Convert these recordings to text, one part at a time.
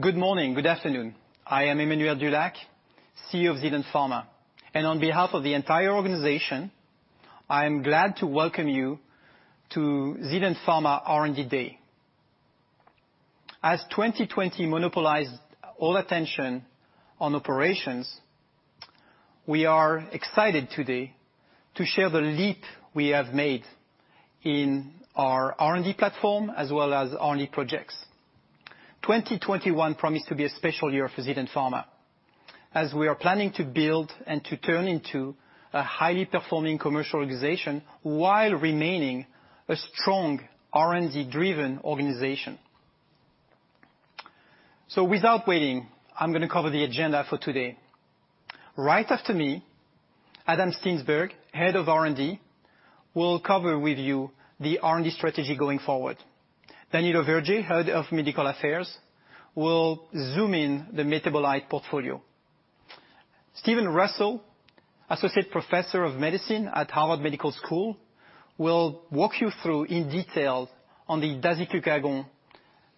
Good morning, good afternoon. I am Emmanuel Dulac, CEO of Zealand Pharma, and on behalf of the entire organization, I am glad to welcome you to Zealand Pharma R&D Day. As 2020 monopolized all attention on operations, we are excited today to share the leap we have made in our R&D platform as well as R&D projects. 2021 promised to be a special year for Zealand Pharma, as we are planning to build and to turn into a highly performing commercial organization while remaining a strong R&D-driven organization. So, without waiting, I'm going to cover the agenda for today. Right after me, Adam Steensberg, Head of R&D, will cover with you the R&D strategy going forward. David Kendall, Head of Medical Affairs, will zoom in the metabolic portfolio. Steven Russell, Associate Professor of Medicine at Harvard Medical School, will walk you through in detail on the dasiglucagon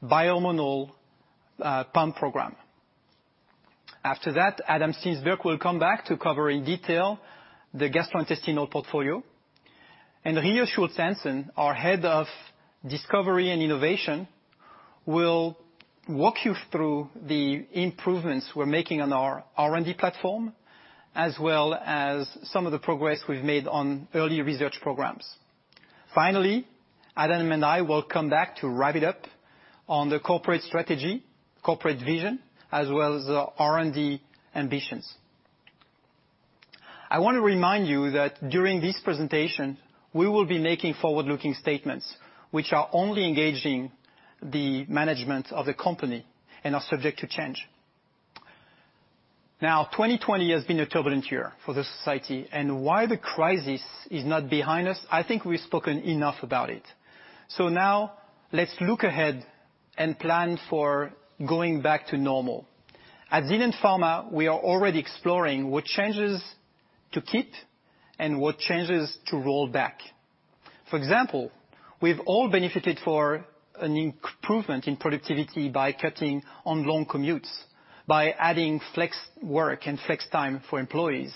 bi-hormonal pump program. After that, Adam Steensberg will come back to cover in detail the gastrointestinal portfolio. And Rie Schultz Hansen, our Head of Discovery and Innovation, will walk you through the improvements we're making on our R&D platform, as well as some of the progress we've made on early research programs. Finally, Adam and I will come back to wrap it up on the corporate strategy, corporate vision, as well as the R&D ambitions. I want to remind you that during this presentation, we will be making forward-looking statements which are only engaging the management of the company and are subject to change. Now, 2020 has been a turbulent year for the society, and while the crisis is not behind us, I think we've spoken enough about it. So now, let's look ahead and plan for going back to normal. At Zealand Pharma, we are already exploring what changes to keep and what changes to roll back. For example, we've all benefited from an improvement in productivity by cutting on long commutes, by adding flex work and flex time for employees.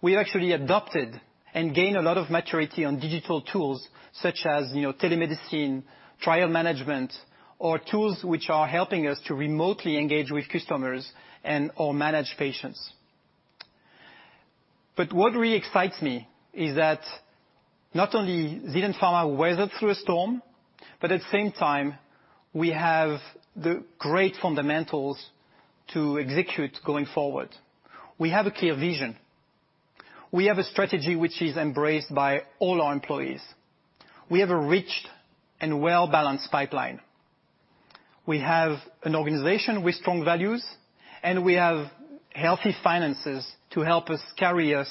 We've actually adopted and gained a lot of maturity on digital tools such as telemedicine, trial management, or tools which are helping us to remotely engage with customers and/or manage patients. But what really excites me is that not only has Zealand Pharma weathered through a storm, but at the same time, we have the great fundamentals to execute going forward. We have a clear vision. We have a strategy which is embraced by all our employees. We have a rich and well-balanced pipeline. We have an organization with strong values, and we have healthy finances to help us carry us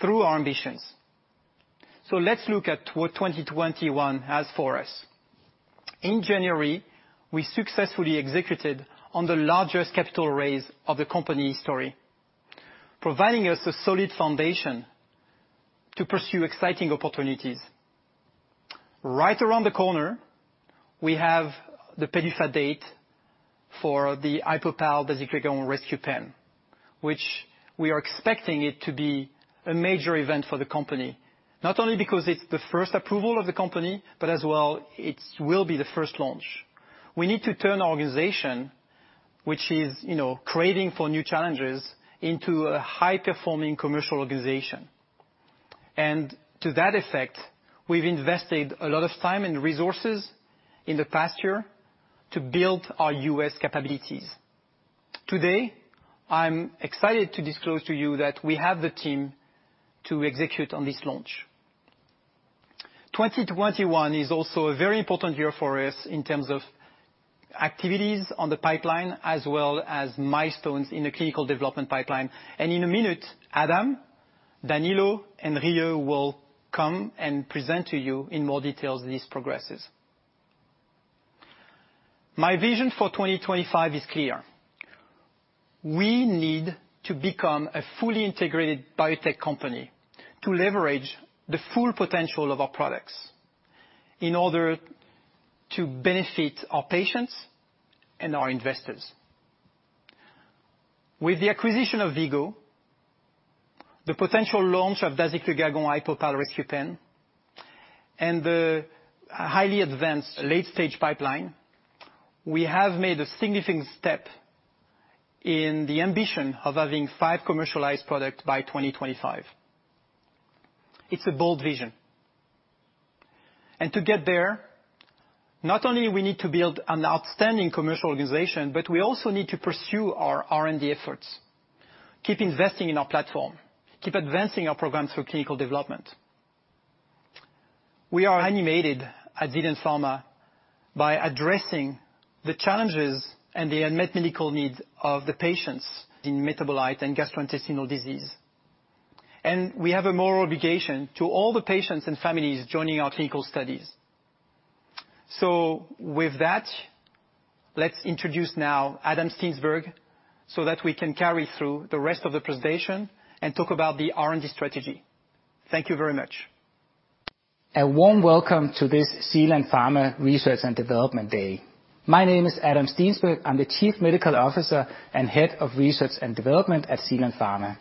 through our ambitions. Let's look at what 2021 has for us. In January, we successfully executed on the largest capital raise of the company's history, providing us a solid foundation to pursue exciting opportunities. Right around the corner, we have the PDUFA date for the HypoPal dasiglucagon rescue pen, which we are expecting to be a major event for the company, not only because it's the first approval of the company, but as well it will be the first launch. We need to turn our organization, which is creating new challenges, into a high-performing commercial organization. And to that effect, we've invested a lot of time and resources in the past year to build our U.S. capabilities. Today, I'm excited to disclose to you that we have the team to execute on this launch. 2021 is also a very important year for us in terms of activities on the pipeline, as well as milestones in the clinical development pipeline. In a minute, Adam, David, and Rie will come and present to you in more detail these progresses. My vision for 2025 is clear. We need to become a fully integrated biotech company to leverage the full potential of our products in order to benefit our patients and our investors. With the acquisition of V-Go, the potential launch of dasiglucagon HypoPal rescue pen, and the highly advanced late-stage pipeline, we have made a significant step in the ambition of having five commercialized products by 2025. It's a bold vision. To get there, not only do we need to build an outstanding commercial organization, but we also need to pursue our R&D efforts, keep investing in our platform, and keep advancing our programs for clinical development. We are animated at Zealand Pharma by addressing the challenges and the unmet medical needs of the patients in metabolic and gastrointestinal disease, and we have a moral obligation to all the patients and families joining our clinical studies. With that, let's introduce now Adam Steensberg so that we can carry through the rest of the presentation and talk about the R&D strategy. Thank you very much. A warm welcome to this Zealand Pharma Research and Development Day. My name is Adam Steensberg. I'm the Chief Medical Officer and Head of Research and Development at Zealand Pharma.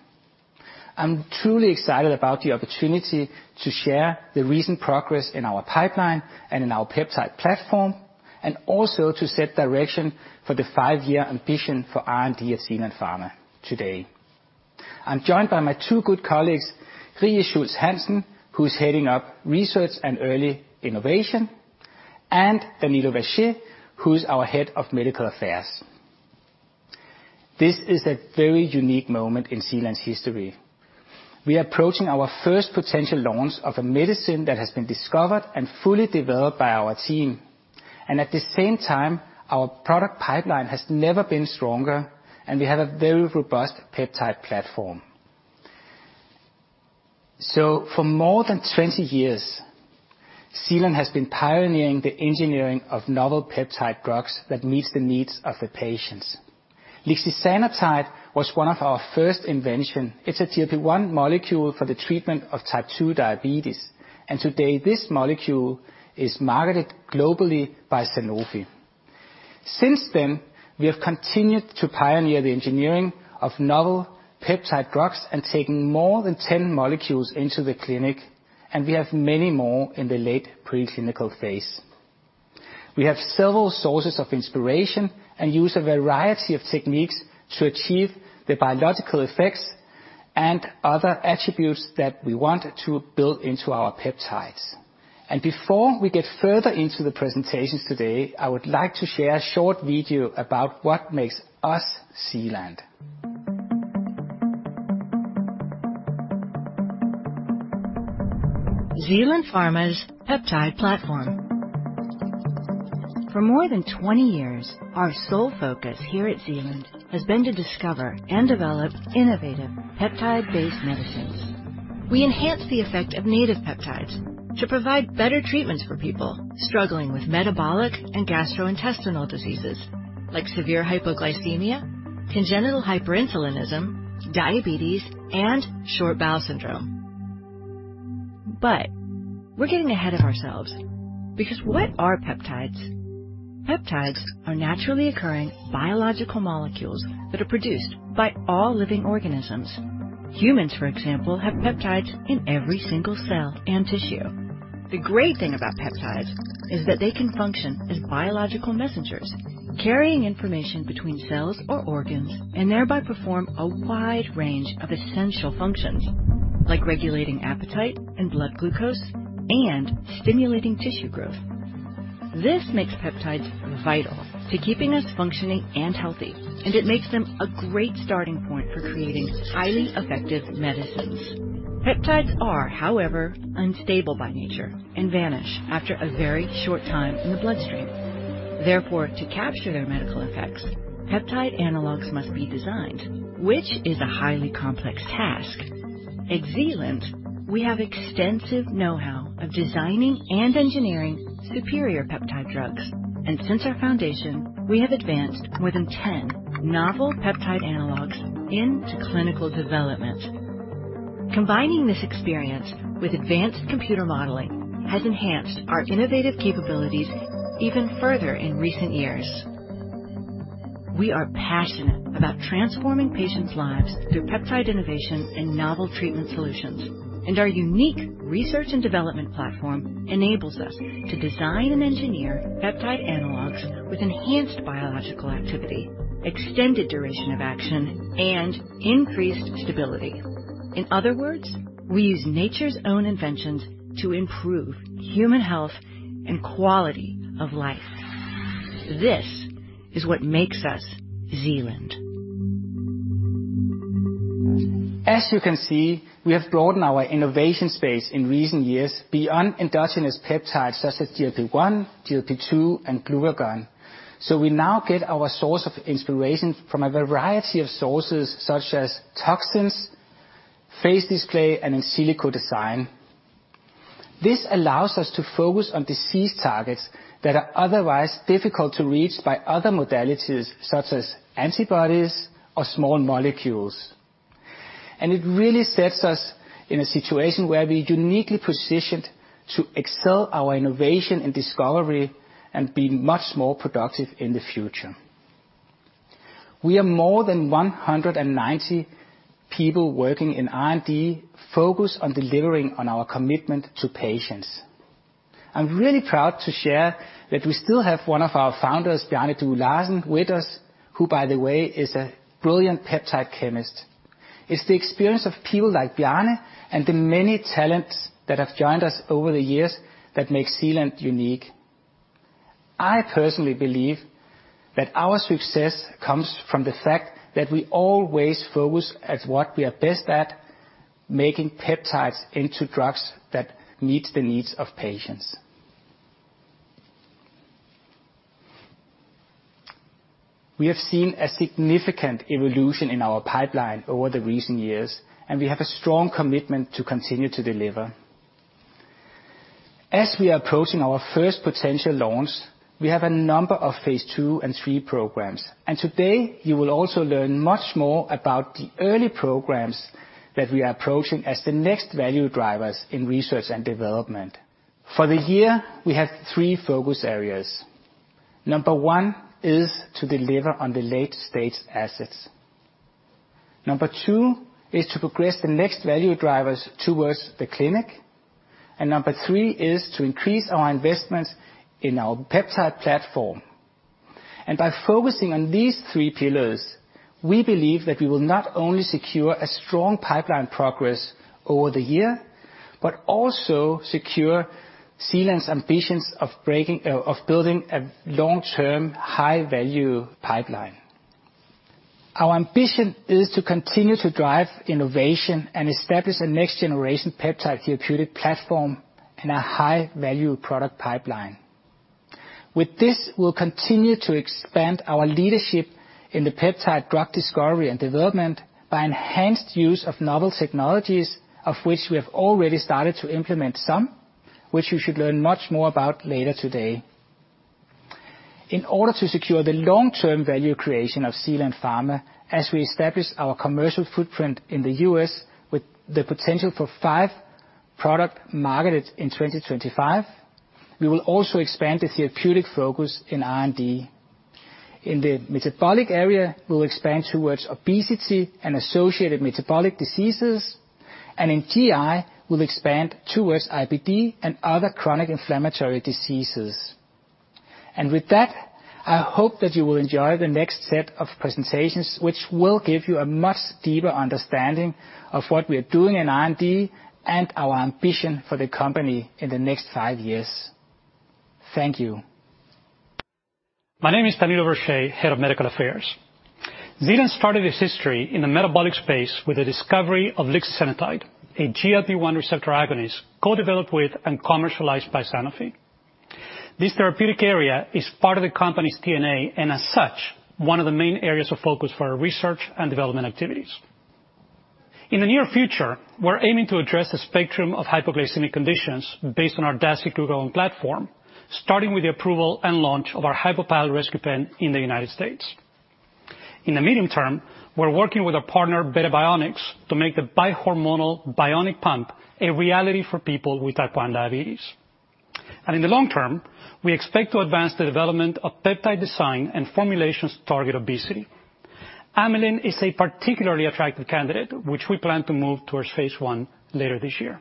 I'm truly excited about the opportunity to share the recent progress in our pipeline and in our peptide platform, and also to set direction for the five-year ambition for R&D at Zealand Pharma today. I'm joined by my two good colleagues, Rie Schultz Hansen, who's heading up research and early innovation, and David Kendall, who's our Head of Medical Affairs. This is a very unique moment in Zealand's history. We are approaching our first potential launch of a medicine that has been discovered and fully developed by our team, and at the same time, our product pipeline has never been stronger, and we have a very robust peptide platform. So for more than 20 years, Zealand has been pioneering the engineering of novel peptide drugs that meet the needs of the patients. Lixisenatide was one of our first inventions. It's a GLP-1 molecule for the treatment of type 2 diabetes. And today, this molecule is marketed globally by Sanofi. Since then, we have continued to pioneer the engineering of novel peptide drugs and taken more than 10 molecules into the clinic, and we have many more in the late preclinical phase. We have several sources of inspiration and use a variety of techniques to achieve the biological effects and other attributes that we want to build into our peptides. And before we get further into the presentations today, I would like to share a short video about what makes us Zealand. Zealand Pharma's peptide platform. For more than 20 years, our sole focus here at Zealand has been to discover and develop innovative peptide-based medicines. We enhance the effect of native peptides to provide better treatments for people struggling with metabolic and gastrointestinal diseases like severe hypoglycemia, congenital hyperinsulinism, diabetes, and short bowel syndrome. But we're getting ahead of ourselves because what are peptides? Peptides are naturally occurring biological molecules that are produced by all living organisms. Humans, for example, have peptides in every single cell and tissue. The great thing about peptides is that they can function as biological messengers, carrying information between cells or organs, and thereby perform a wide range of essential functions, like regulating appetite and blood glucose and stimulating tissue growth. This makes peptides vital to keeping us functioning and healthy, and it makes them a great starting point for creating highly effective medicines. Peptides are, however, unstable by nature and vanish after a very short time in the bloodstream. Therefore, to capture their medical effects, peptide analogues must be designed, which is a highly complex task. At Zealand, we have extensive know-how of designing and engineering superior peptide drugs. And since our foundation, we have advanced more than 10 novel peptide analogues into clinical development. Combining this experience with advanced computer modeling has enhanced our innovative capabilities even further in recent years. We are passionate about transforming patients' lives through peptide innovation and novel treatment solutions, and our unique research and development platform enables us to design and engineer peptide analogues with enhanced biological activity, extended duration of action, and increased stability. In other words, we use nature's own inventions to improve human health and quality of life. This is what makes us Zealand. As you can see, we have broadened our innovation space in recent years beyond endogenous peptides such as GLP-1, GLP-2, and glucagon, so we now get our source of inspiration from a variety of sources such as toxins, phage display, and in silico design. This allows us to focus on disease targets that are otherwise difficult to reach by other modalities such as antibodies or small molecules, and it really sets us in a situation where we're uniquely positioned to excel our innovation and discovery and be much more productive in the future. We are more than 190 people working in R&D focused on delivering on our commitment to patients. I'm really proud to share that we still have one of our founders, Bjarne Due Larsen, with us, who, by the way, is a brilliant peptide chemist. It's the experience of people like Bjarne and the many talents that have joined us over the years that makes Zealand unique. I personally believe that our success comes from the fact that we always focus at what we are best at, making peptides into drugs that meet the needs of patients. We have seen a significant evolution in our pipeline over the recent years, and we have a strong commitment to continue to deliver. As we are approaching our first potential launch, we have a number of phase two and three programs. And today, you will also learn much more about the early programs that we are approaching as the next value drivers in research and development. For the year, we have three focus areas. Number one is to deliver on the late-stage assets. Number two is to progress the next value drivers towards the clinic. Number three is to increase our investments in our peptide platform. By focusing on these three pillars, we believe that we will not only secure a strong pipeline progress over the year, but also secure Zealand's ambitions of building a long-term high-value pipeline. Our ambition is to continue to drive innovation and establish a next-generation peptide therapeutic platform and a high-value product pipeline. With this, we'll continue to expand our leadership in the peptide drug discovery and development by enhanced use of novel technologies, of which we have already started to implement some, which you should learn much more about later today. In order to secure the long-term value creation of Zealand Pharma as we establish our commercial footprint in the U.S. with the potential for five products marketed in 2025, we will also expand the therapeutic focus in R&D. In the metabolic area, we'll expand towards obesity and associated metabolic diseases. And in GI, we'll expand towards IBD and other chronic inflammatory diseases. And with that, I hope that you will enjoy the next set of presentations, which will give you a much deeper understanding of what we are doing in R&D and our ambition for the company in the next five years. Thank you. My name is David Kendall, Head of Medical Affairs. Zealand started its history in the metabolic space with the discovery of lixisenatide, a GLP-1 receptor agonist co-developed with and commercialized by Sanofi. This therapeutic area is part of the company's DNA and, as such, one of the main areas of focus for our research and development activities. In the near future, we're aiming to address a spectrum of hypoglycemic conditions based on our dasiglucagon platform, starting with the approval and launch of our HypoPal rescue pen in the United States. In the medium term, we're working with our partner, Beta Bionics, to make the bi-hormonal bionic pump a reality for people with type 1 diabetes. And in the long term, we expect to advance the development of peptide design and formulations to target obesity. Amylin is a particularly attractive candidate, which we plan to move towards phase one later this year.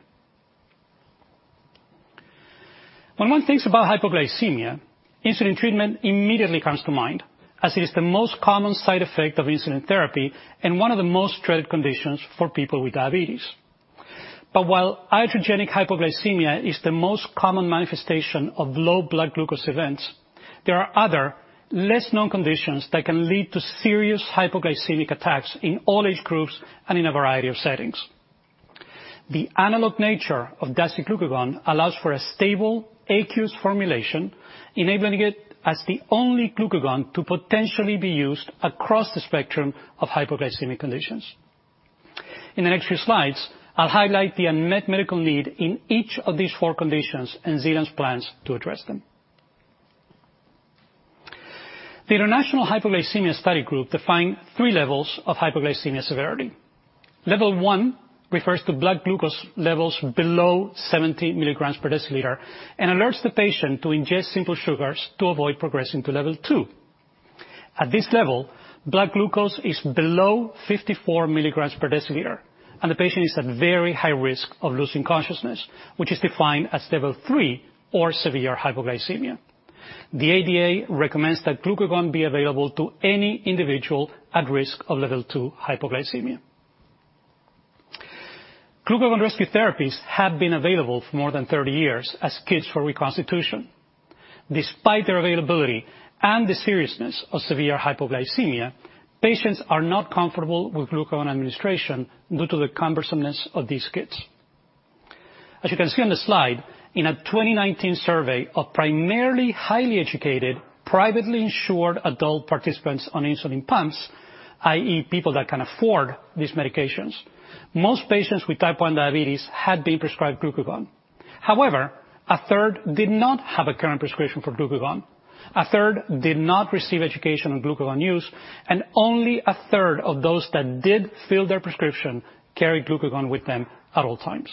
When one thinks about hypoglycemia, insulin treatment immediately comes to mind, as it is the most common side effect of insulin therapy and one of the most dreaded conditions for people with diabetes. But while iatrogenic hypoglycemia is the most common manifestation of low blood glucose events, there are other, less known conditions that can lead to serious hypoglycemic attacks in all age groups and in a variety of settings. The analog nature of dasiglucagon allows for a stable AQ formulation, enabling it as the only glucagon to potentially be used across the spectrum of hypoglycemic conditions. In the next few slides, I'll highlight the unmet medical need in each of these four conditions and Zealand's plans to address them. The International Hypoglycemia Study Group defined three levels of hypoglycemia severity. Level one refers to blood glucose levels below 70 milligrams per deciliter and alerts the patient to ingest simple sugars to avoid progressing to level two. At this level, blood glucose is below 54 milligrams per deciliter, and the patient is at very high risk of losing consciousness, which is defined as level three or severe hypoglycemia. The ADA recommends that glucagon be available to any individual at risk of level two hypoglycemia. Glucagon rescue therapies have been available for more than 30 years as kits for reconstitution. Despite their availability and the seriousness of severe hypoglycemia, patients are not comfortable with glucagon administration due to the cumbersomeness of these kits. As you can see on the slide, in a 2019 survey of primarily highly educated, privately insured adult participants on insulin pumps, i.e., people that can afford these medications, most patients with type 1 diabetes had been prescribed glucagon. However, a third did not have a current prescription for glucagon. A third did not receive education on glucagon use, and only a third of those that did fill their prescription carried glucagon with them at all times.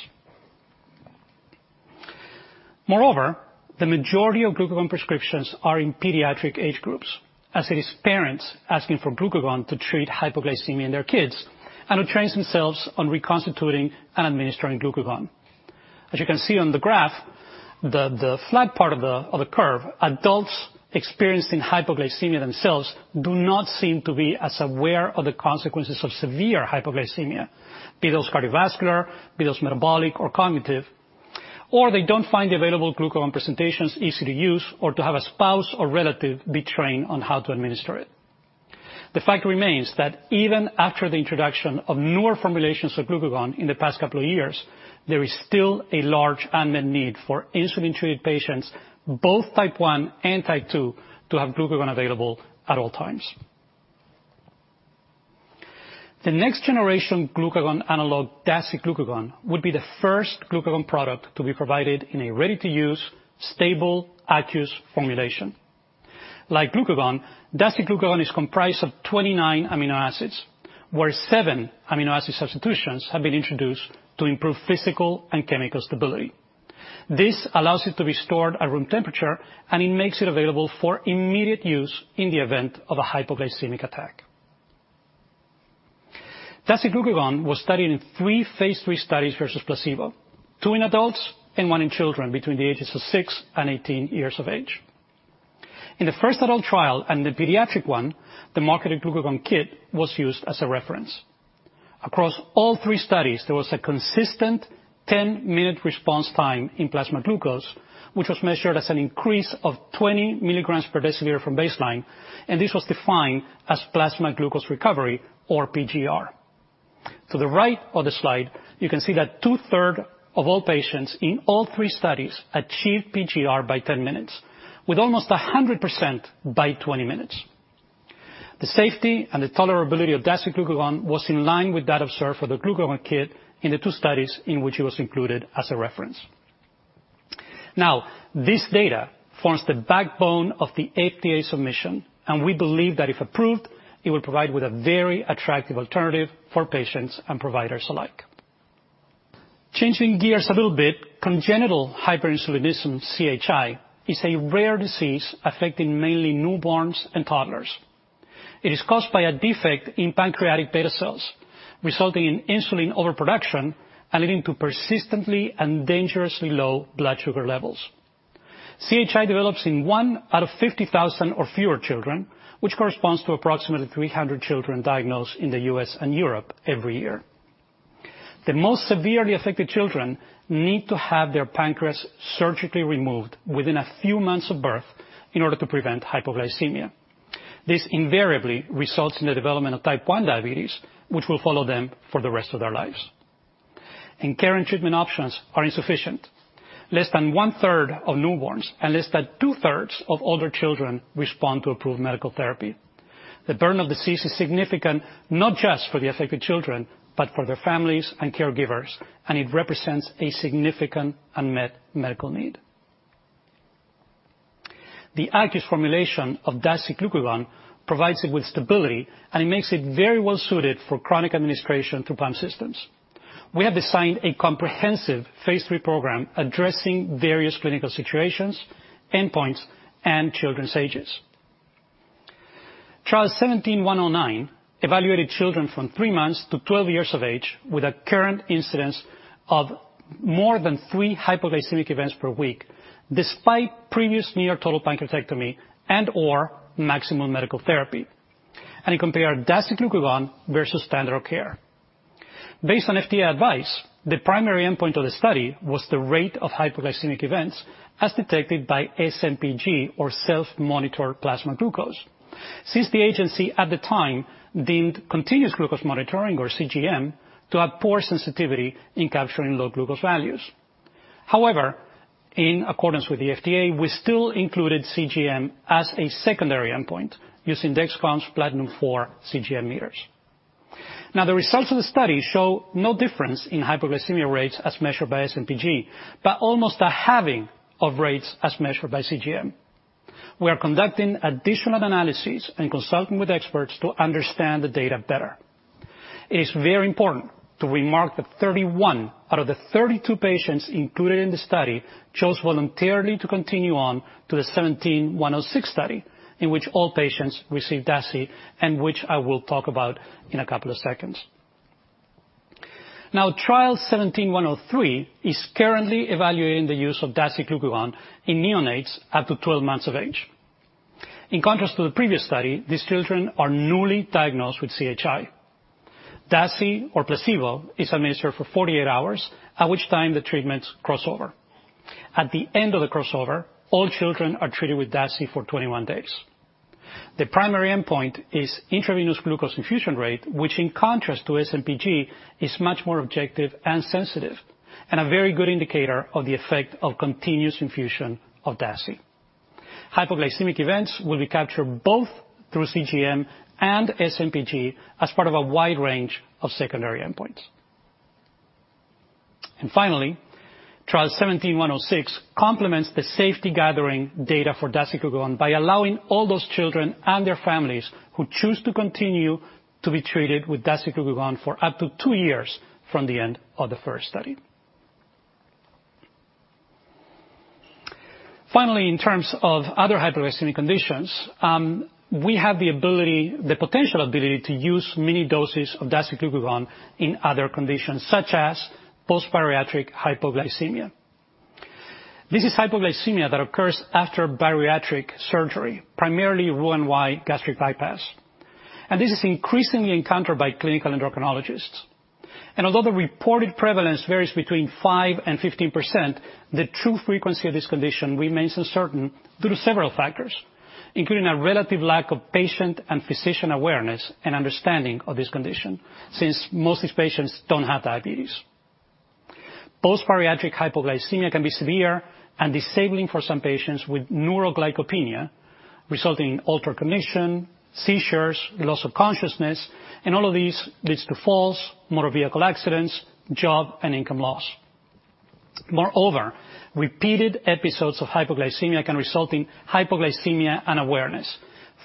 Moreover, the majority of glucagon prescriptions are in pediatric age groups, as it is parents asking for glucagon to treat hypoglycemia in their kids and to train themselves on reconstituting and administering glucagon. As you can see on the graph, the flat part of the curve, adults experiencing hypoglycemia themselves do not seem to be as aware of the consequences of severe hypoglycemia, be those cardiovascular, be those metabolic or cognitive, or they don't find the available glucagon presentations easy to use or to have a spouse or relative be trained on how to administer it. The fact remains that even after the introduction of newer formulations of glucagon in the past couple of years, there is still a large unmet need for insulin-treated patients, both type 1 and type 2, to have glucagon available at all times. The next generation glucagon analog, dasiglucagon, would be the first glucagon product to be provided in a ready-to-use, stable aqueous formulation. Like glucagon, dasiglucagon is comprised of 29 amino acids, where seven amino acid substitutions have been introduced to improve physical and chemical stability. This allows it to be stored at room temperature, and it makes it available for immediate use in the event of a hypoglycemic attack. Dasiglucagon was studied in three phase 3 studies versus placebo, two in adults and one in children between the ages of 6 and 18 years of age. In the first adult trial and the pediatric one, the marketed glucagon kit was used as a reference. Across all three studies, there was a consistent 10-minute response time in plasma glucose, which was measured as an increase of 20 milligrams per deciliter from baseline, and this was defined as plasma glucose recovery, or PGR. To the right of the slide, you can see that two-thirds of all patients in all three studies achieved PGR by 10 minutes, with almost 100% by 20 minutes. The safety and the tolerability of dasiglucagon was in line with that observed for the glucagon kit in the two studies in which it was included as a reference. Now, this data forms the backbone of the FDA submission, and we believe that if approved, it will provide a very attractive alternative for patients and providers alike. Changing gears a little bit, congenital hyperinsulinism, CHI, is a rare disease affecting mainly newborns and toddlers. It is caused by a defect in pancreatic beta cells, resulting in insulin overproduction and leading to persistently and dangerously low blood sugar levels. CHI develops in one out of 50,000 or fewer children, which corresponds to approximately 300 children diagnosed in the U.S. and Europe every year. The most severely affected children need to have their pancreas surgically removed within a few months of birth in order to prevent hypoglycemia. This invariably results in the development of type 1 diabetes, which will follow them for the rest of their lives, and care and treatment options are insufficient. Less than one-third of newborns and less than two-thirds of older children respond to approved medical therapy. The burden of disease is significant, not just for the affected children, but for their families and caregivers, and it represents a significant unmet medical need. The aqueous formulation of dasiglucagon provides it with stability, and it makes it very well suited for chronic administration through pump systems. We have designed a comprehensive phase 3 program addressing various clinical situations, endpoints, and children's ages. Trial 17109 evaluated children from three months to 12 years of age with a current incidence of more than three hypoglycemic events per week, despite previous near-total pancreatectomy and/or maximum medical therapy, and it compared dasiglucagon versus standard of care. Based on FDA advice, the primary endpoint of the study was the rate of hypoglycemic events as detected by SMPG, or self-monitored plasma glucose, since the agency at the time deemed continuous glucose monitoring, or CGM, to have poor sensitivity in capturing low glucose values. However, in accordance with the FDA, we still included CGM as a secondary endpoint using Dexcom G4 Platinum CGM meters. Now, the results of the study show no difference in hypoglycemia rates as measured by SMPG, but almost a halving of rates as measured by CGM. We are conducting additional analyses and consulting with experts to understand the data better. It is very important to remark that 31 out of the 32 patients included in the study chose voluntarily to continue on to the 17106 study, in which all patients received Dasi, and which I will talk about in a couple of seconds. Now, trial 17103 is currently evaluating the use of dasiglucagon in neonates up to 12 months of age. In contrast to the previous study, these children are newly diagnosed with CHI. Dasi, or placebo, is administered for 48 hours, at which time the treatments crossover. At the end of the crossover, all children are treated with dasiglucagon for 21 days. The primary endpoint is intravenous glucose infusion rate, which, in contrast to SMPG, is much more objective and sensitive and a very good indicator of the effect of continuous infusion of dasiglucagon. Hypoglycemic events will be captured both through CGM and SMPG as part of a wide range of secondary endpoints. And finally, trial 17106 complements the safety gathering data for dasiglucagon by allowing all those children and their families who choose to continue to be treated with dasiglucagon for up to two years from the end of the first study. Finally, in terms of other hypoglycemic conditions, we have the ability, the potential ability to use mini doses of dasiglucagon in other conditions, such as post-bariatric hypoglycemia. This is hypoglycemia that occurs after bariatric surgery, primarily Roux-en-Y gastric bypass. This is increasingly encountered by clinical endocrinologists. Although the reported prevalence varies between 5% and 15%, the true frequency of this condition remains uncertain due to several factors, including a relative lack of patient and physician awareness and understanding of this condition, since most of these patients don't have diabetes. Post-Bariatric Hypoglycemia can be severe and disabling for some patients with neuroglycopenia, resulting in altered cognition, seizures, loss of consciousness, and all of these lead to falls, motor vehicle accidents, job and income loss. Moreover, repeated episodes of hypoglycemia can result in hypoglycemia unawareness,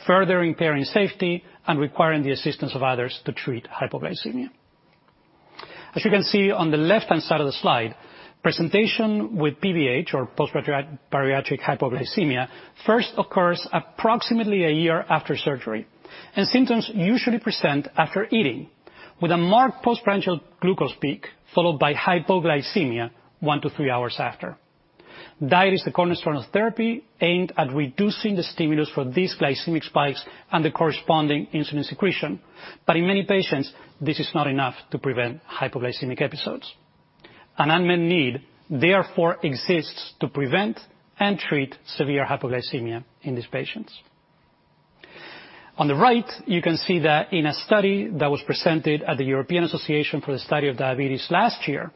further impairing safety and requiring the assistance of others to treat hypoglycemia. As you can see on the left-hand side of the slide, patients with PBH, or post-bariatric hypoglycemia, first occurs approximately a year after surgery, and symptoms usually present after eating, with a marked postprandial glucose peak followed by hypoglycemia one to three hours after. Diet is the cornerstone of therapy aimed at reducing the stimulus for these glycemic spikes and the corresponding insulin secretion, but in many patients, this is not enough to prevent hypoglycemic episodes. An unmet need, therefore, exists to prevent and treat severe hypoglycemia in these patients. On the right, you can see that in a study that was presented at the European Association for the Study of Diabetes last year,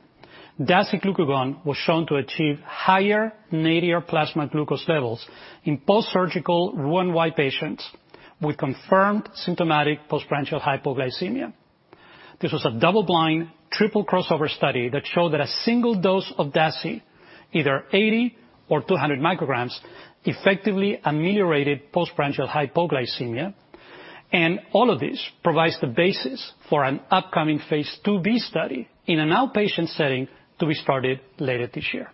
dasiglucagon was shown to achieve higher nadir plasma glucose levels in post-surgical Roux-en-Y patients with confirmed symptomatic postprandial hypoglycemia. This was a double-blind, triple-crossover study that showed that a single dose of dasiglucagon, either 80 or 200 micrograms, effectively ameliorated postprandial hypoglycemia, and all of this provides the basis for an upcoming phase 2b study in an outpatient setting to be started later this year.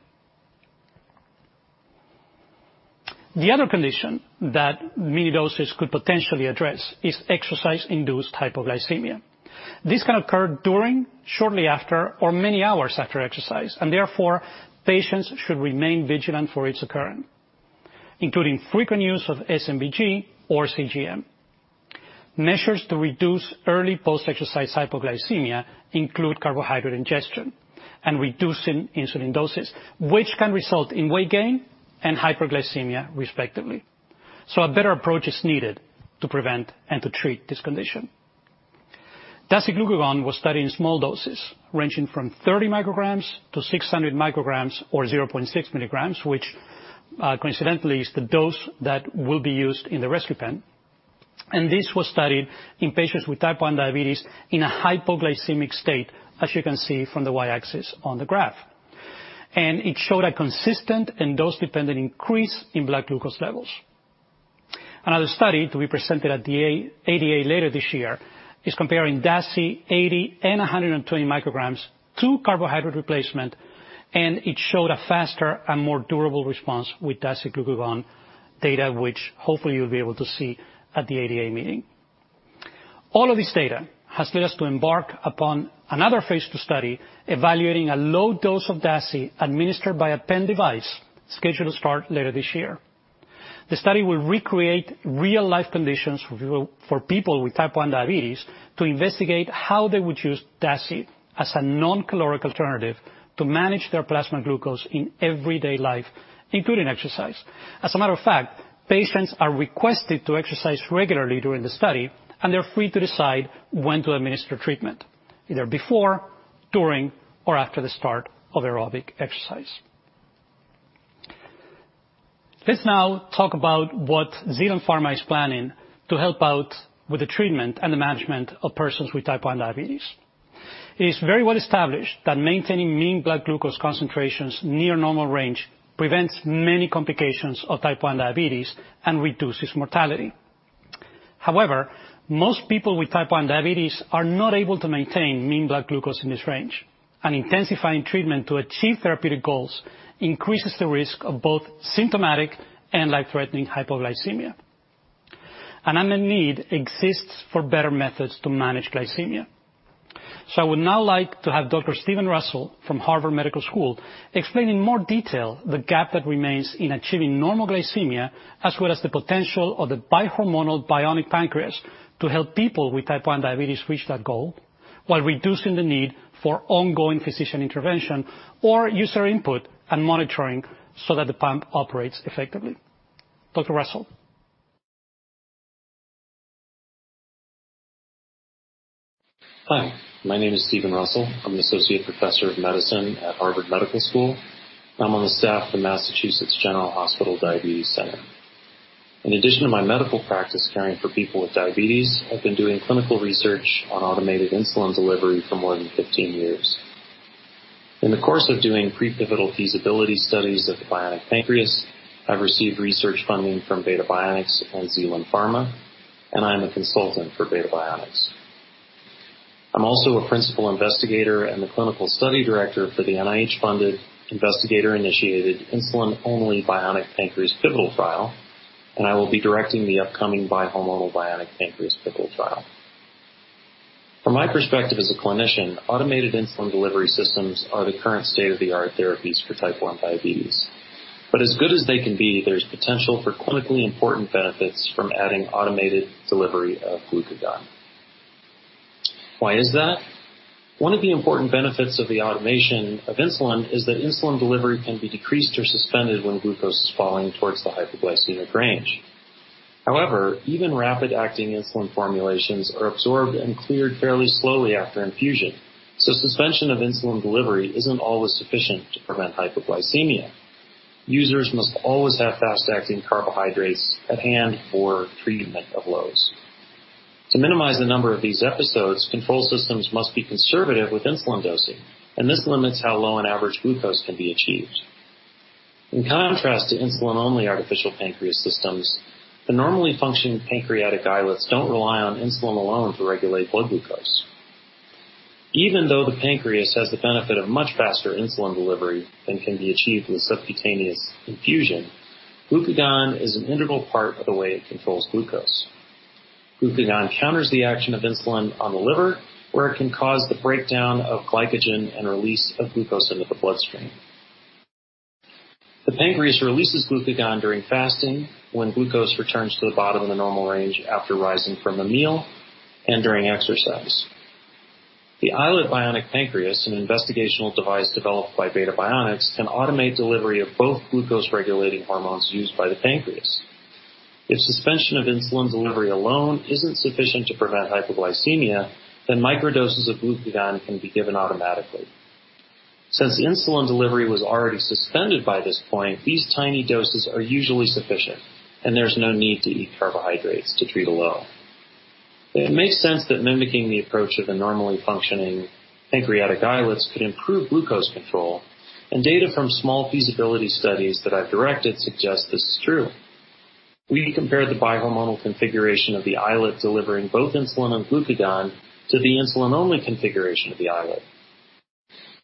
The other condition that mini doses could potentially address is exercise-induced hypoglycemia. This can occur during, shortly after, or many hours after exercise, and therefore, patients should remain vigilant for its occurrence, including frequent use of SMPG or CGM. Measures to reduce early post-exercise hypoglycemia include carbohydrate ingestion and reducing insulin doses, which can result in weight gain and hypoglycemia, respectively. So a better approach is needed to prevent and to treat this condition. Dasiglucagon was studied in small doses, ranging from 30 micrograms to 600 micrograms or 0.6 milligrams, which, coincidentally, is the dose that will be used in the rescue pen. This was studied in patients with type 1 diabetes in a hypoglycemic state, as you can see from the Y-axis on the graph. It showed a consistent and dose-dependent increase in blood glucose levels. Another study to be presented at the ADA later this year is comparing dasiglucagon 80 and 120 micrograms to carbohydrate replacement, and it showed a faster and more durable response with dasiglucagon data, which hopefully you'll be able to see at the ADA meeting. All of this data has led us to embark upon another phase 2 study evaluating a low dose of dasiglucagon administered by a pen device scheduled to start later this year. The study will recreate real-life conditions for people with type 1 diabetes to investigate how they would use dasiglucagon as a non-caloric alternative to manage their plasma glucose in everyday life, including exercise. As a matter of fact, patients are requested to exercise regularly during the study, and they're free to decide when to administer treatment, either before, during, or after the start of aerobic exercise. Let's now talk about what Zealand Pharma is planning to help out with the treatment and the management of persons with type 1 diabetes. It is very well established that maintaining mean blood glucose concentrations near normal range prevents many complications of type 1 diabetes and reduces mortality. However, most people with type 1 diabetes are not able to maintain mean blood glucose in this range, and intensifying treatment to achieve therapeutic goals increases the risk of both symptomatic and life-threatening hypoglycemia. An unmet need exists for better methods to manage glycemia. So I would now like to have Dr. Steven Russell from Harvard Medical School explains in more detail the gap that remains in achieving normal glycemia, as well as the potential of the bi-hormonal bionic pancreas to help people with type 1 diabetes reach that goal while reducing the need for ongoing physician intervention or user input and monitoring so that the pump operates effectively. Dr. Russell. Hi. My name is Steven Russell. I'm an associate professor of medicine at Harvard Medical School, and I'm on the staff of the Massachusetts General Hospital Diabetes Center. In addition to my medical practice caring for people with diabetes, I've been doing clinical research on automated insulin delivery for more than 15 years. In the course of doing pre-pivotal feasibility studies of the bionic pancreas, I've received research funding from Beta Bionics and Zealand Pharma, and I am a consultant for Beta Bionics. I'm also a principal investigator and the clinical study director for the NIH-funded, investigator-initiated insulin-only bionic pancreas pivotal trial, and I will be directing the upcoming bi-hormonal bionic pancreas pivotal trial. From my perspective as a clinician, automated insulin delivery systems are the current state-of-the-art therapies for type one diabetes. But as good as they can be, there's potential for clinically important benefits from adding automated delivery of glucagon. Why is that? One of the important benefits of the automation of insulin is that insulin delivery can be decreased or suspended when glucose is falling towards the hypoglycemic range. However, even rapid-acting insulin formulations are absorbed and cleared fairly slowly after infusion, so suspension of insulin delivery isn't always sufficient to prevent hypoglycemia. Users must always have fast-acting carbohydrates at hand for treatment of lows. To minimize the number of these episodes, control systems must be conservative with insulin dosing, and this limits how low an average glucose can be achieved. In contrast to insulin-only artificial pancreas systems, the normally functioning pancreatic islets don't rely on insulin alone to regulate blood glucose. Even though the pancreas has the benefit of much faster insulin delivery than can be achieved with subcutaneous infusion, glucagon is an integral part of the way it controls glucose. Glucagon counters the action of insulin on the liver, where it can cause the breakdown of glycogen and release of glucose into the bloodstream. The pancreas releases glucagon during fasting, when glucose returns to the bottom of the normal range after rising from a meal, and during exercise. The iLet bionic pancreas, an investigational device developed by Beta Bionics, can automate delivery of both glucose-regulating hormones used by the pancreas. If suspension of insulin delivery alone isn't sufficient to prevent hypoglycemia, then microdoses of glucagon can be given automatically. Since insulin delivery was already suspended by this point, these tiny doses are usually sufficient, and there's no need to eat carbohydrates to treat a low. It makes sense that mimicking the approach of the normally functioning pancreatic islets could improve glucose control, and data from small feasibility studies that I've directed suggest this is true. We compared the bi-hormonal configuration of the iLet delivering both insulin and glucagon to the insulin-only configuration of the iLet.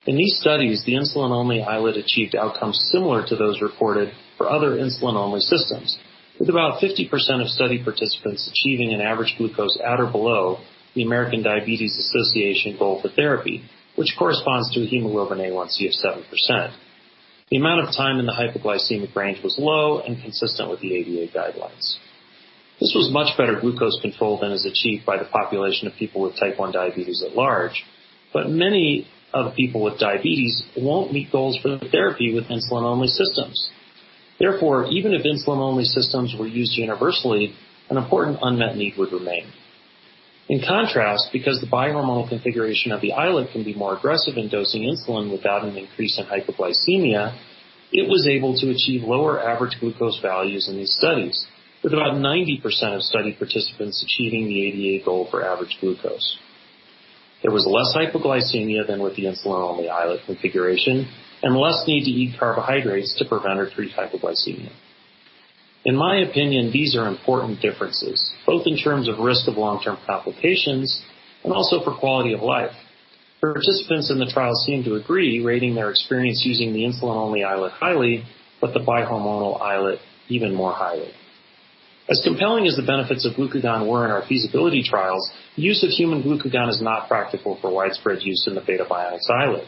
In these studies, the insulin-only iLet achieved outcomes similar to those reported for other insulin-only systems, with about 50% of study participants achieving an average glucose at or below the American Diabetes Association goal for therapy, which corresponds to a hemoglobin A1c of 7%. The amount of time in the hypoglycemic range was low and consistent with the ADA guidelines. This was much better glucose control than is achieved by the population of people with type 1 diabetes at large, but many of the people with diabetes won't meet goals for the therapy with insulin-only systems. Therefore, even if insulin-only systems were used universally, an important unmet need would remain. In contrast, because the bi-hormonal configuration of the iLet can be more aggressive in dosing insulin without an increase in hypoglycemia, it was able to achieve lower average glucose values in these studies, with about 90% of study participants achieving the ADA goal for average glucose. There was less hypoglycemia than with the insulin-only iLet configuration and less need to eat carbohydrates to prevent or treat hypoglycemia. In my opinion, these are important differences, both in terms of risk of long-term complications and also for quality of life. The participants in the trial seem to agree, rating their experience using the insulin-only iLet highly, but the bi-hormonal iLet even more highly. As compelling as the benefits of glucagon were in our feasibility trials, the use of human glucagon is not practical for widespread use in the Beta Bionics iLet.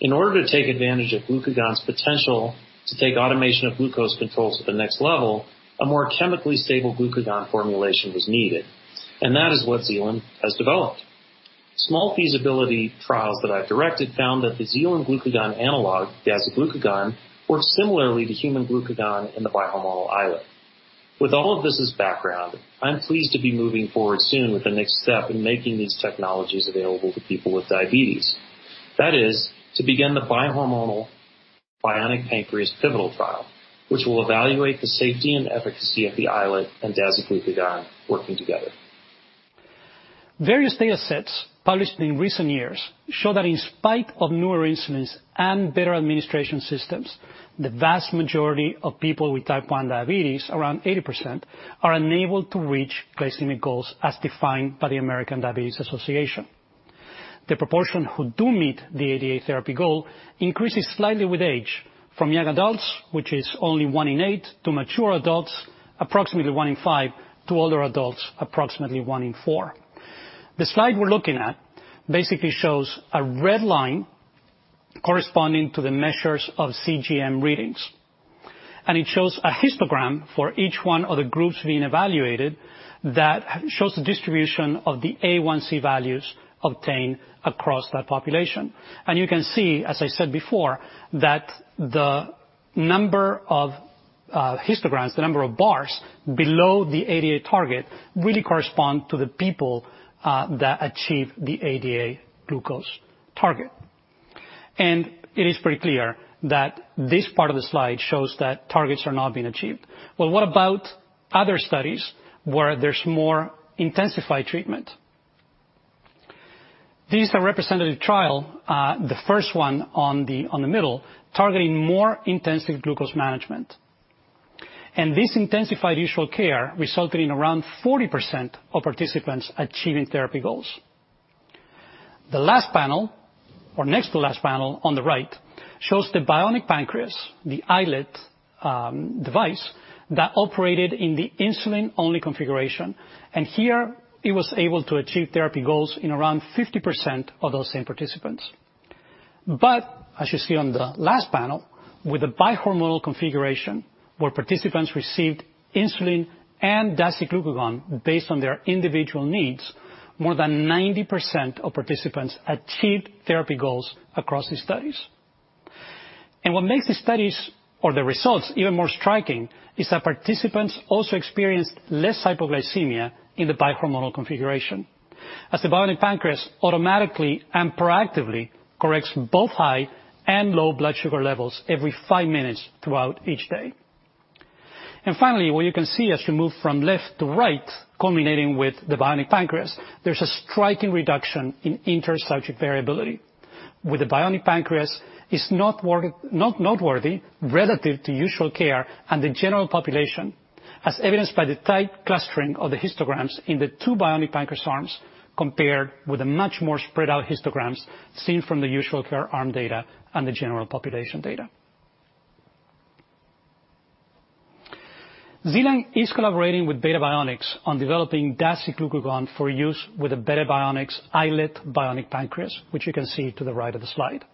In order to take advantage of glucagon's potential to take automation of glucose control to the next level, a more chemically stable glucagon formulation was needed, and that is what Zealand has developed. Small feasibility trials that I've directed found that the Zealand glucagon analog, dasiglucagon, works similarly to human glucagon in the bi-hormonal iLet. With all of this as background, I'm pleased to be moving forward soon with the next step in making these technologies available to people with diabetes. That is, to begin the bi-hormonal bionic pancreas pivotal trial, which will evaluate the safety and efficacy of the iLet and dasiglucagon working together. Various data sets published in recent years show that in spite of newer insulins and better administration systems, the vast majority of people with type 1 diabetes, around 80%, are unable to reach glycemic goals as defined by the American Diabetes Association. The proportion who do meet the ADA therapy goal increases slightly with age, from young adults, which is only one in eight, to mature adults, approximately one in five, to older adults, approximately one in four. The slide we're looking at basically shows a red line corresponding to the measures of CGM readings, and it shows a histogram for each one of the groups being evaluated that shows the distribution of the A1c values obtained across that population. And you can see, as I said before, that the number of histograms, the number of bars below the ADA target, really correspond to the people that achieve the ADA glucose target. And it is pretty clear that this part of the slide shows that targets are not being achieved. Well, what about other studies where there's more intensified treatment? This is a representative trial, the first one on the middle, targeting more intensive glucose management. And this intensified usual care resulted in around 40% of participants achieving therapy goals. The last panel, or next to the last panel on the right, shows the bionic pancreas, the iLet device that operated in the insulin-only configuration, and here it was able to achieve therapy goals in around 50% of those same participants. But, as you see on the last panel, with the bi-hormonal configuration where participants received insulin and dasiglucagon based on their individual needs, more than 90% of participants achieved therapy goals across these studies. And what makes these studies, or the results, even more striking is that participants also experienced less hypoglycemia in the bi-hormonal configuration, as the bionic pancreas automatically and proactively corrects both high and low blood sugar levels every five minutes throughout each day. And finally, what you can see as you move from left to right, culminating with the bionic pancreas, there's a striking reduction in inter-subject variability. With the bionic pancreas, it's noteworthy relative to usual care and the general population, as evidenced by the tight clustering of the histograms in the two bionic pancreas arms compared with the much more spread-out histograms seen from the usual care arm data and the general population data. Zealand is collaborating with Beta Bionics on developing dasiglucagon for use with the Beta Bionics iLet bionic pancreas, which you can see to the right of the slide.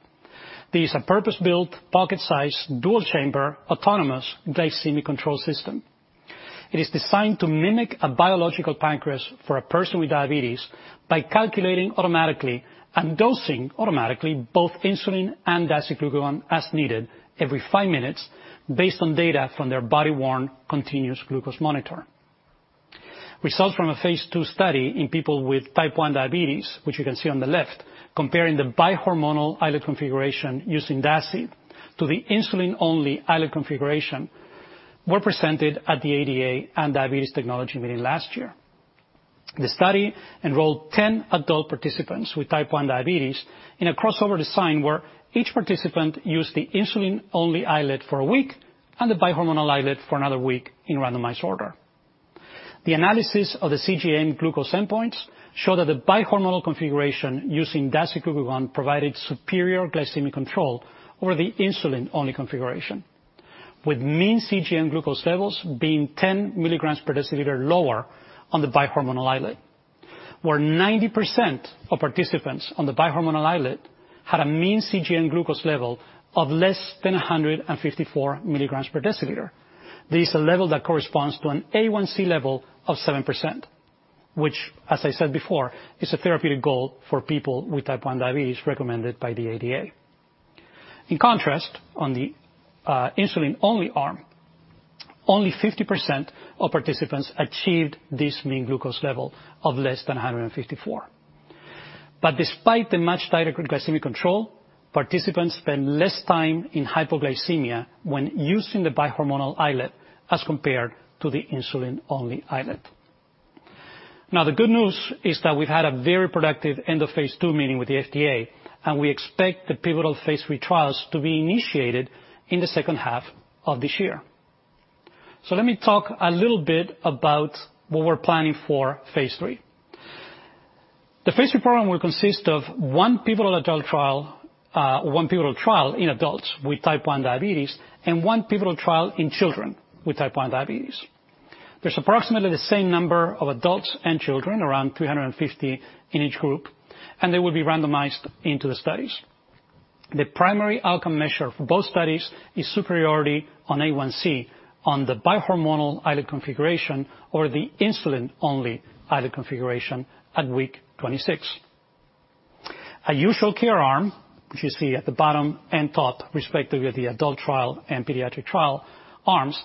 This is a purpose-built, pocket-sized, dual-chamber, autonomous glycemic control system. It is designed to mimic a biological pancreas for a person with diabetes by calculating automatically and dosing automatically both insulin and dasiglucagon as needed every five minutes based on data from their body-worn continuous glucose monitor. Results from a phase two study in people with type 1 diabetes, which you can see on the left, comparing the bi-hormonal iLet configuration using dasiglucagon to the insulin-only iLet configuration, were presented at the ADA and Diabetes Technology Meeting last year. The study enrolled 10 adult participants with type 1 diabetes in a crossover design where each participant used the insulin-only iLet for a week and the bi-hormonal iLet for another week in randomized order. The analysis of the CGM glucose endpoints showed that the bi-hormonal configuration using dasiglucagon provided superior glycemic control over the insulin-only configuration, with mean CGM glucose levels being 10 milligrams per deciliter lower on the bi-hormonal iLet, where 90% of participants on the bi-hormonal iLet had a mean CGM glucose level of less than 154 milligrams per deciliter. This is a level that corresponds to an A1c level of 7%, which, as I said before, is a therapeutic goal for people with type 1 diabetes recommended by the ADA. In contrast, on the insulin-only arm, only 50% of participants achieved this mean glucose level of less than 154, but despite the much tighter glycemic control, participants spent less time in hypoglycemia when using the bi-hormonal iLet as compared to the insulin-only iLet. Now, the good news is that we've had a very productive end-of-phase two meeting with the FDA, and we expect the pivotal phase three trials to be initiated in the second half of this year, so let me talk a little bit about what we're planning for phase three. The phase 3 program will consist of one pivotal adult trial, one pivotal trial in adults with type 1 diabetes, and one pivotal trial in children with type 1 diabetes. There's approximately the same number of adults and children, around 350 in each group, and they will be randomized into the studies. The primary outcome measure for both studies is superiority on A1c on the bi-hormonal iLet configuration or the insulin-only iLet configuration at week 26. A usual care arm, which you see at the bottom and top, respectively, of the adult trial and pediatric trial arms,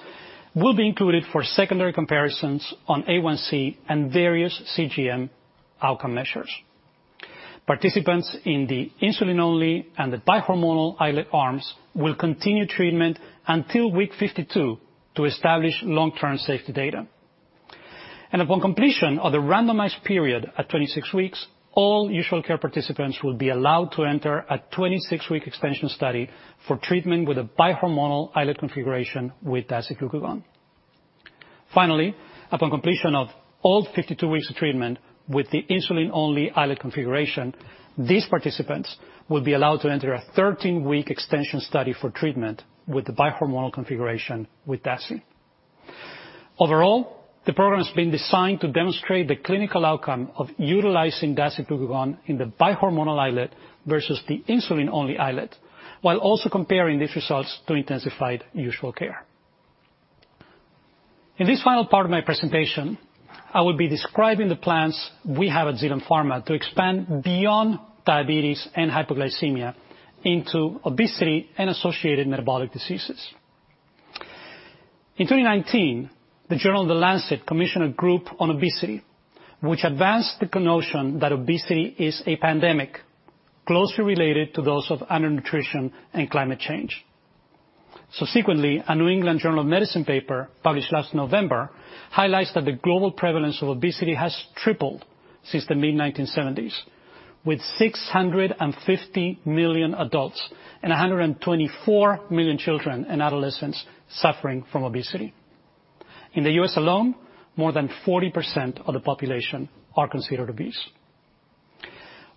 will be included for secondary comparisons on A1c and various CGM outcome measures. Participants in the insulin-only and the bi-hormonal iLet arms will continue treatment until week 52 to establish long-term safety data. And upon completion of the randomized period at 26 weeks, all usual care participants will be allowed to enter a 26-week extension study for treatment with a bi-hormonal iLet configuration with dasiglucagon. Finally, upon completion of all 52 weeks of treatment with the insulin-only iLet configuration, these participants will be allowed to enter a 13-week extension study for treatment with the bi-hormonal configuration with dasi. Overall, the program has been designed to demonstrate the clinical outcome of utilizing dasiglucagon in the bi-hormonal iLet versus the insulin-only iLet, while also comparing these results to intensified usual care. In this final part of my presentation, I will be describing the plans we have at Zealand Pharma to expand beyond diabetes and hypoglycemia into obesity and associated metabolic diseases. In 2019, the journal The Lancet commissioned a group on obesity, which advanced the notion that obesity is a pandemic closely related to those of undernutrition and climate change. Subsequently, a New England Journal of Medicine paper published last November highlights that the global prevalence of obesity has tripled since the mid-1970s, with 650 million adults and 124 million children and adolescents suffering from obesity. In the U.S. alone, more than 40% of the population are considered obese.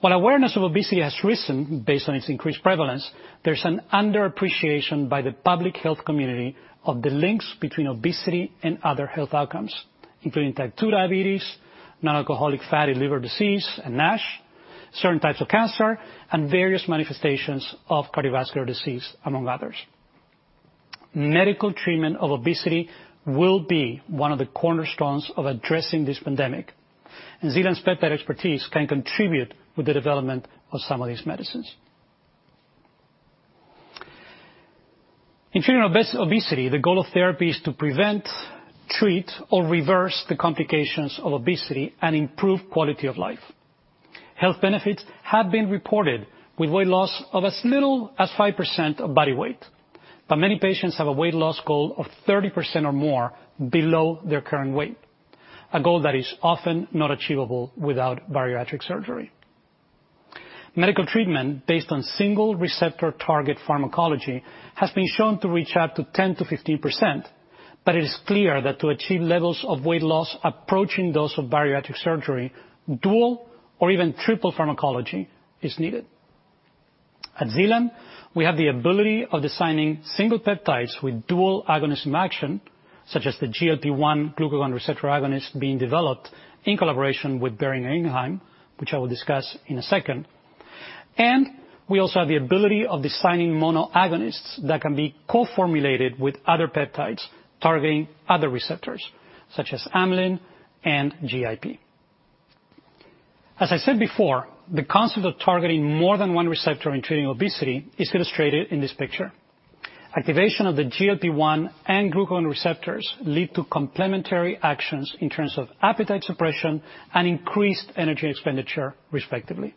While awareness of obesity has risen based on its increased prevalence, there's an underappreciation by the public health community of the links between obesity and other health outcomes, including type 2 diabetes, non-alcoholic fatty liver disease and NASH, certain types of cancer, and various manifestations of cardiovascular disease, among others. Medical treatment of obesity will be one of the cornerstones of addressing this pandemic, and Zealand's peptide expertise can contribute with the development of some of these medicines. In treating obesity, the goal of therapy is to prevent, treat, or reverse the complications of obesity and improve quality of life. Health benefits have been reported with weight loss of as little as 5% of body weight, but many patients have a weight loss goal of 30% or more below their current weight, a goal that is often not achievable without bariatric surgery. Medical treatment based on single receptor target pharmacology has been shown to reach up to 10%-15%, but it is clear that to achieve levels of weight loss approaching those of bariatric surgery, dual or even triple pharmacology is needed. At Zealand, we have the ability of designing single peptides with dual agonists in action, such as the GLP-1 glucagon receptor agonist being developed in collaboration with Boehringer Ingelheim, which I will discuss in a second. We also have the ability of designing monoagonists that can be co-formulated with other peptides targeting other receptors, such as amylin and GIP. As I said before, the concept of targeting more than one receptor in treating obesity is illustrated in this picture. Activation of the GLP-1 and glucagon receptors leads to complementary actions in terms of appetite suppression and increased energy expenditure, respectively.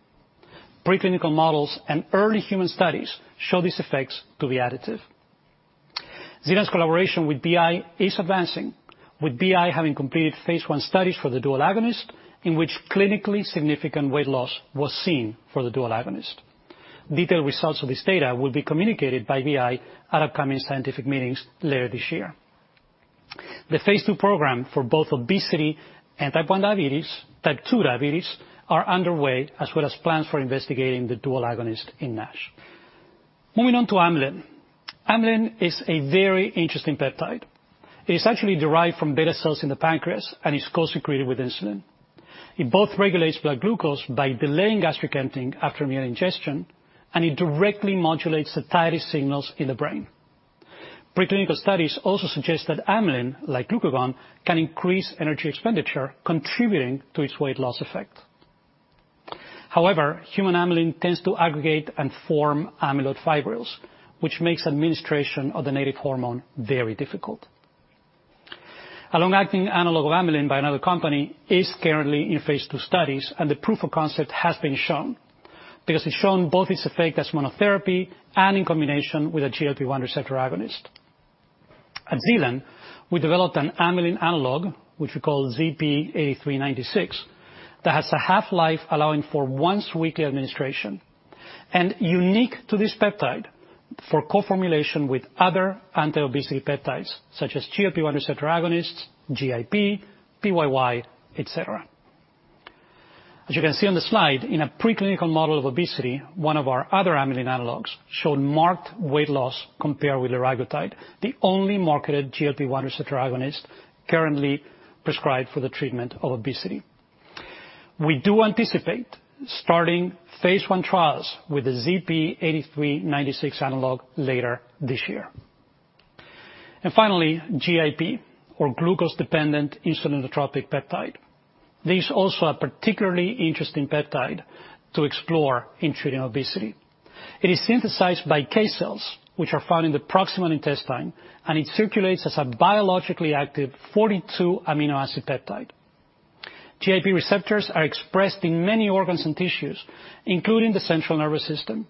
Preclinical models and early human studies show these effects to be additive. Zealand's collaboration with BI is advancing, with BI having completed phase one studies for the dual agonist in which clinically significant weight loss was seen for the dual agonist. Detailed results of this data will be communicated by BI at upcoming scientific meetings later this year. The phase 2 program for both obesity and type 1 diabetes, type 2 diabetes, is underway, as well as plans for investigating the dual agonist in NASH. Moving on to amylin. Amylin is a very interesting peptide. It is actually derived from beta cells in the pancreas and is co-secreted with insulin. It both regulates blood glucose by delaying gastric emptying after meal ingestion, and it directly modulates satiety signals in the brain. Preclinical studies also suggest that amylin, like glucagon, can increase energy expenditure, contributing to its weight loss effect. However, human amylin tends to aggregate and form amyloid fibrils, which makes administration of the native hormone very difficult. A long-acting analog of amylin by another company is currently in phase two studies, and the proof of concept has been shown because it's shown both its effect as monotherapy and in combination with a GLP-1 receptor agonist. At Zealand, we developed an amylin analog, which we call ZP8396, that has a half-life allowing for once-weekly administration and unique to this peptide for co-formulation with other anti-obesity peptides, such as GLP-1 receptor agonists, GIP, PYY, etc. As you can see on the slide, in a preclinical model of obesity, one of our other amylin analogs showed marked weight loss compared with liraglutide, the only marketed GLP-1 receptor agonist currently prescribed for the treatment of obesity. We do anticipate starting phase one trials with the ZP8396 analog later this year, and finally, GIP, or glucose-dependent insulinotropic peptide. This is also a particularly interesting peptide to explore in treating obesity. It is synthesized by K cells, which are found in the proximal intestine, and it circulates as a biologically active 42-amino acid peptide. GIP receptors are expressed in many organs and tissues, including the central nervous system,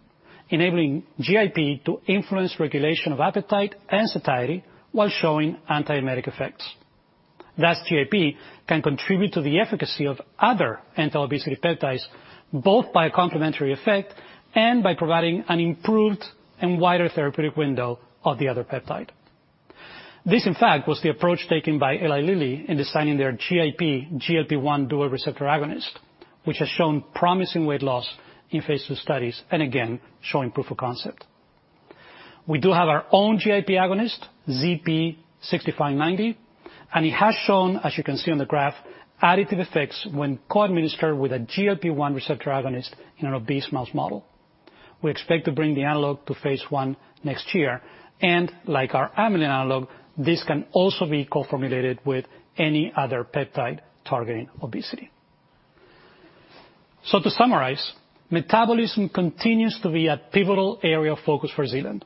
enabling GIP to influence regulation of appetite and satiety while showing antiemetic effects. Thus, GIP can contribute to the efficacy of other anti-obesity peptides, both by a complementary effect and by providing an improved and wider therapeutic window of the other peptide. This, in fact, was the approach taken by Eli Lilly in designing their GIP GLP-1 dual receptor agonist, which has shown promising weight loss in phase two studies and again shown proof of concept. We do have our own GIP agonist, ZP6590, and it has shown, as you can see on the graph, additive effects when co-administered with a GLP-1 receptor agonist in an obese mouse model. We expect to bring the analog to phase one next year, and like our amylin analog, this can also be co-formulated with any other peptide targeting obesity. To summarize, metabolism continues to be a pivotal area of focus for Zealand.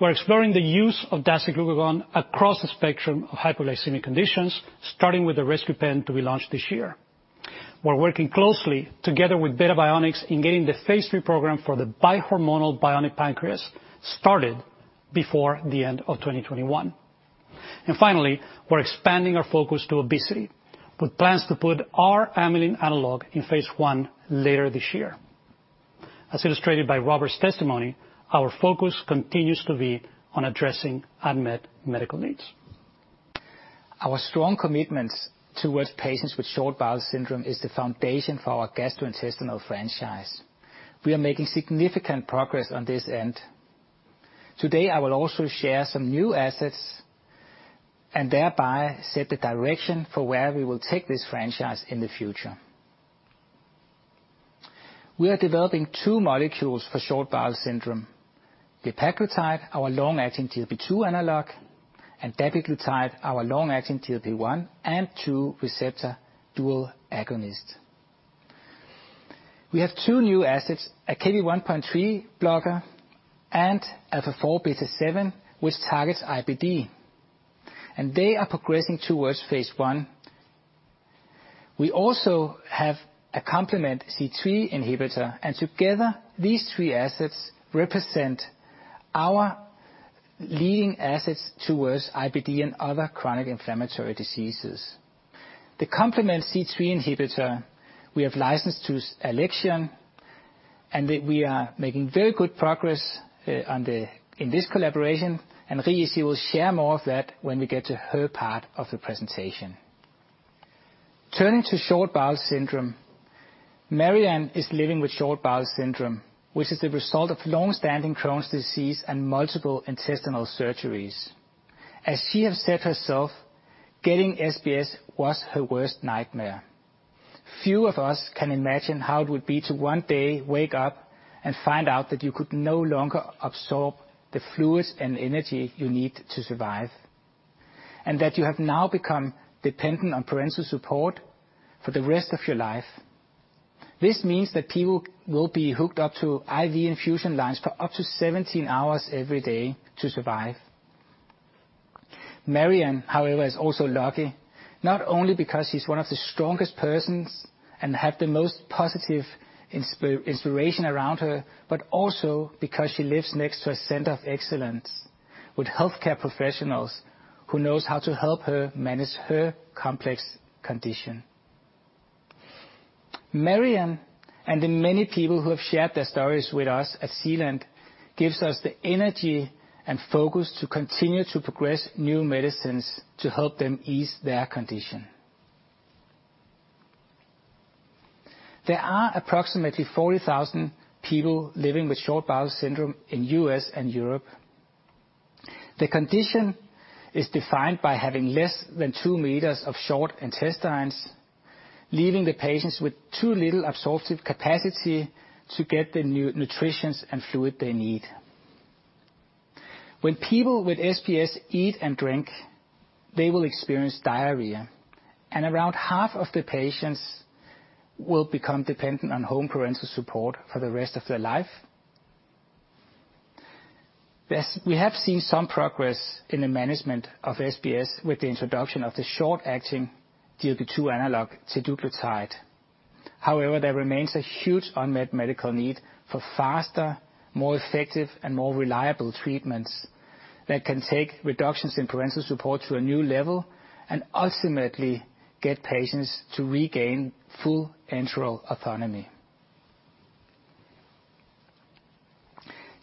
We're exploring the use of dasiglucagon across the spectrum of hypoglycemic conditions, starting with the rescue pen to be launched this year. We're working closely together with Beta Bionics in getting the phase three program for the bi-hormonal bionic pancreas started before the end of 2021. Finally, we're expanding our focus to obesity, with plans to put our amylin analog in phase one later this year. As illustrated by Robert's testimony, our focus continues to be on addressing unmet medical needs. Our strong commitment towards patients with short bowel syndrome is the foundation for our gastrointestinal franchise. We are making significant progress on this end. Today, I will also share some new assets and thereby set the direction for where we will take this franchise in the future. We are developing two molecules for short bowel syndrome: glepaglutide, our long-acting GLP-2 analog, and dapiglutide, our long-acting GLP-1 and 2 receptor dual agonist. We have two new assets, a Kv1.3 blocker and alpha-4 beta-7, which targets IBD, and they are progressing towards phase one. We also have a complement C3 inhibitor, and together, these three assets represent our leading assets towards IBD and other chronic inflammatory diseases. The complement C3 inhibitor, we have licensed to Alexion, and we are making very good progress in this collaboration, and Rie will share more of that when we get to her part of the presentation. Turning to short bowel syndrome, Marianne is living with short bowel syndrome, which is the result of long-standing Crohn's disease and multiple intestinal surgeries. As she has said herself, getting SBS was her worst nightmare. Few of us can imagine how it would be to one day wake up and find out that you could no longer absorb the fluids and energy you need to survive, and that you have now become dependent on parenteral support for the rest of your life. This means that people will be hooked up to IV infusion lines for up to 17 hours every day to survive. Marianne, however, is also lucky, not only because she's one of the strongest persons and has the most positive inspiration around her, but also because she lives next to a center of excellence with healthcare professionals who know how to help her manage her complex condition. Marianne and the many people who have shared their stories with us at Zealand give us the energy and focus to continue to progress new medicines to help them ease their condition. There are approximately 40,000 people living with short bowel syndrome in the US and Europe. The condition is defined by having less than two meters of small intestines, leaving the patients with too little absorptive capacity to get the nutrition and fluid they need. When people with SBS eat and drink, they will experience diarrhea, and around half of the patients will become dependent on home parenteral support for the rest of their life. We have seen some progress in the management of SBS with the introduction of the short-acting GLP-2 analog, teduglutide. However, there remains a huge unmet medical need for faster, more effective, and more reliable treatments that can take reductions in parenteral support to a new level and ultimately get patients to regain full enteral autonomy.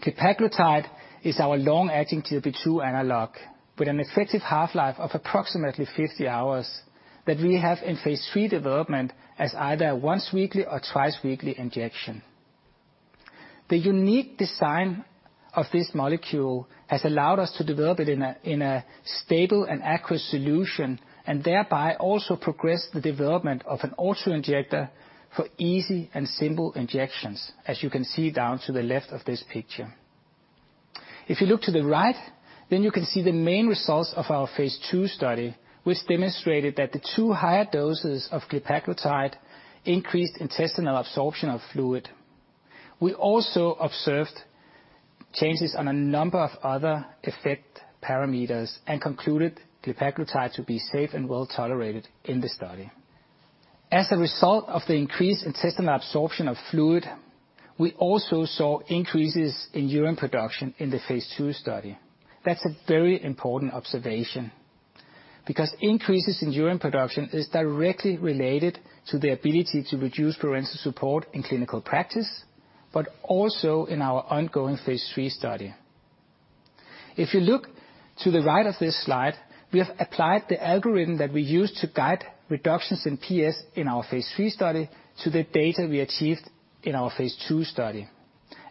Glepaglutide is our long-acting GLP-2 analog with an effective half-life of approximately 50 hours that we have in phase 3 development as either a once-weekly or twice-weekly injection. The unique design of this molecule has allowed us to develop it in a stable and aqueous solution and thereby also progressed the development of an autoinjector for easy and simple injections, as you can see down to the left of this picture. If you look to the right, then you can see the main results of our phase 2 study, which demonstrated that the two higher doses of glepaglutide increased intestinal absorption of fluid. We also observed changes on a number of other effect parameters and concluded glepaglutide to be safe and well tolerated in the study. As a result of the increased intestinal absorption of fluid, we also saw increases in urine production in the phase two study. That's a very important observation because increases in urine production are directly related to the ability to reduce parenteral support in clinical practice, but also in our ongoing phase three study. If you look to the right of this slide, we have applied the algorithm that we used to guide reductions in PS in our phase three study to the data we achieved in our phase two study.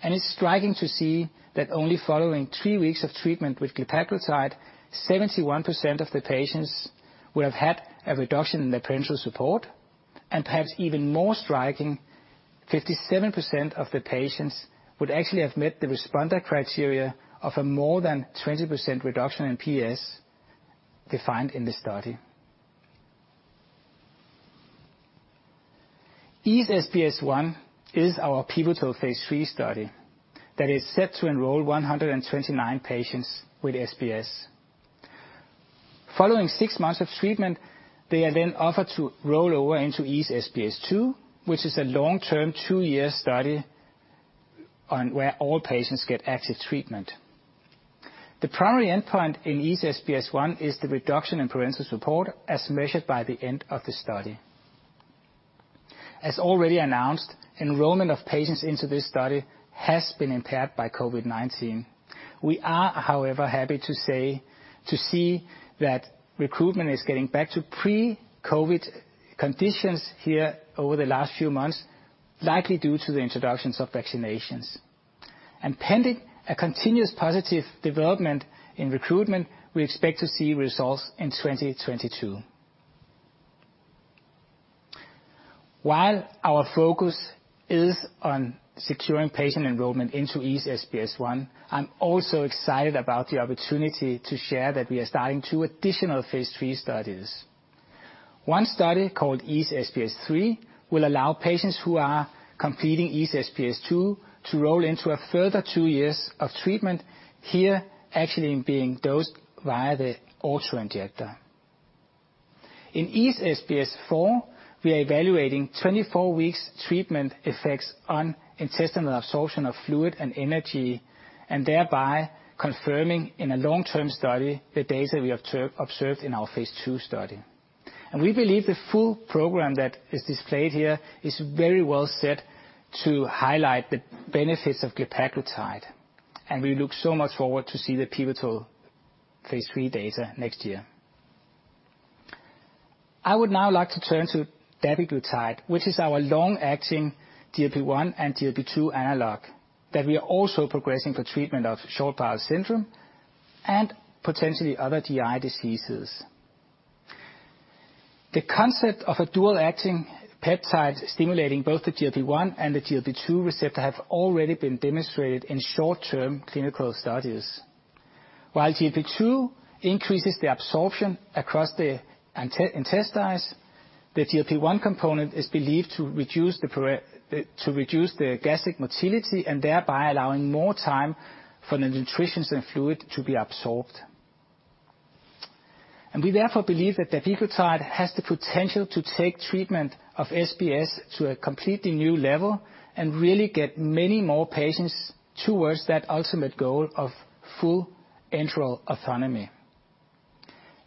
It's striking to see that only following three weeks of treatment with glepaglutide, 71% of the patients would have had a reduction in their parenteral support, and perhaps even more striking, 57% of the patients would actually have met the responder criteria of a more than 20% reduction in PS defined in the study. EASE SBS 1 is our pivotal phase 3 study that is set to enroll 129 patients with SBS. Following six months of treatment, they are then offered to roll over into EASE SBS 2, which is a long-term two-year study where all patients get active treatment. The primary endpoint in EASE SBS 1 is the reduction in parenteral support as measured by the end of the study. As already announced, enrollment of patients into this study has been impaired by COVID-19. We are, however, happy to see that recruitment is getting back to pre-COVID conditions here over the last few months, likely due to the introductions of vaccinations. Pending a continuous positive development in recruitment, we expect to see results in 2022. While our focus is on securing patient enrollment into EASE SBS 1, I'm also excited about the opportunity to share that we are starting two additional phase three studies. One study called EASE SBS 3 will allow patients who are completing EASE SBS 2 to roll into a further two years of treatment, here actually being dosed via the autoinjector. In EASE SBS 4, we are evaluating 24 weeks' treatment effects on intestinal absorption of fluid and energy, and thereby confirming in a long-term study the data we observed in our phase two study. We believe the full program that is displayed here is very well set to highlight the benefits of glepaglutide, and we look so much forward to seeing the pivotal phase three data next year. I would now like to turn to dapiglutide, which is our long-acting GLP-1 and GLP-2 analog that we are also progressing for treatment of short bowel syndrome and potentially other GI diseases. The concept of a dual-acting peptide stimulating both the GLP-1 and the GLP-2 receptor has already been demonstrated in short-term clinical studies. While GLP-2 increases the absorption across the intestines, the GLP-1 component is believed to reduce the gastric motility and thereby allowing more time for the nutrients and fluids to be absorbed. We therefore believe that dapiglutide has the potential to take treatment of SBS to a completely new level and really get many more patients towards that ultimate goal of full enteral autonomy.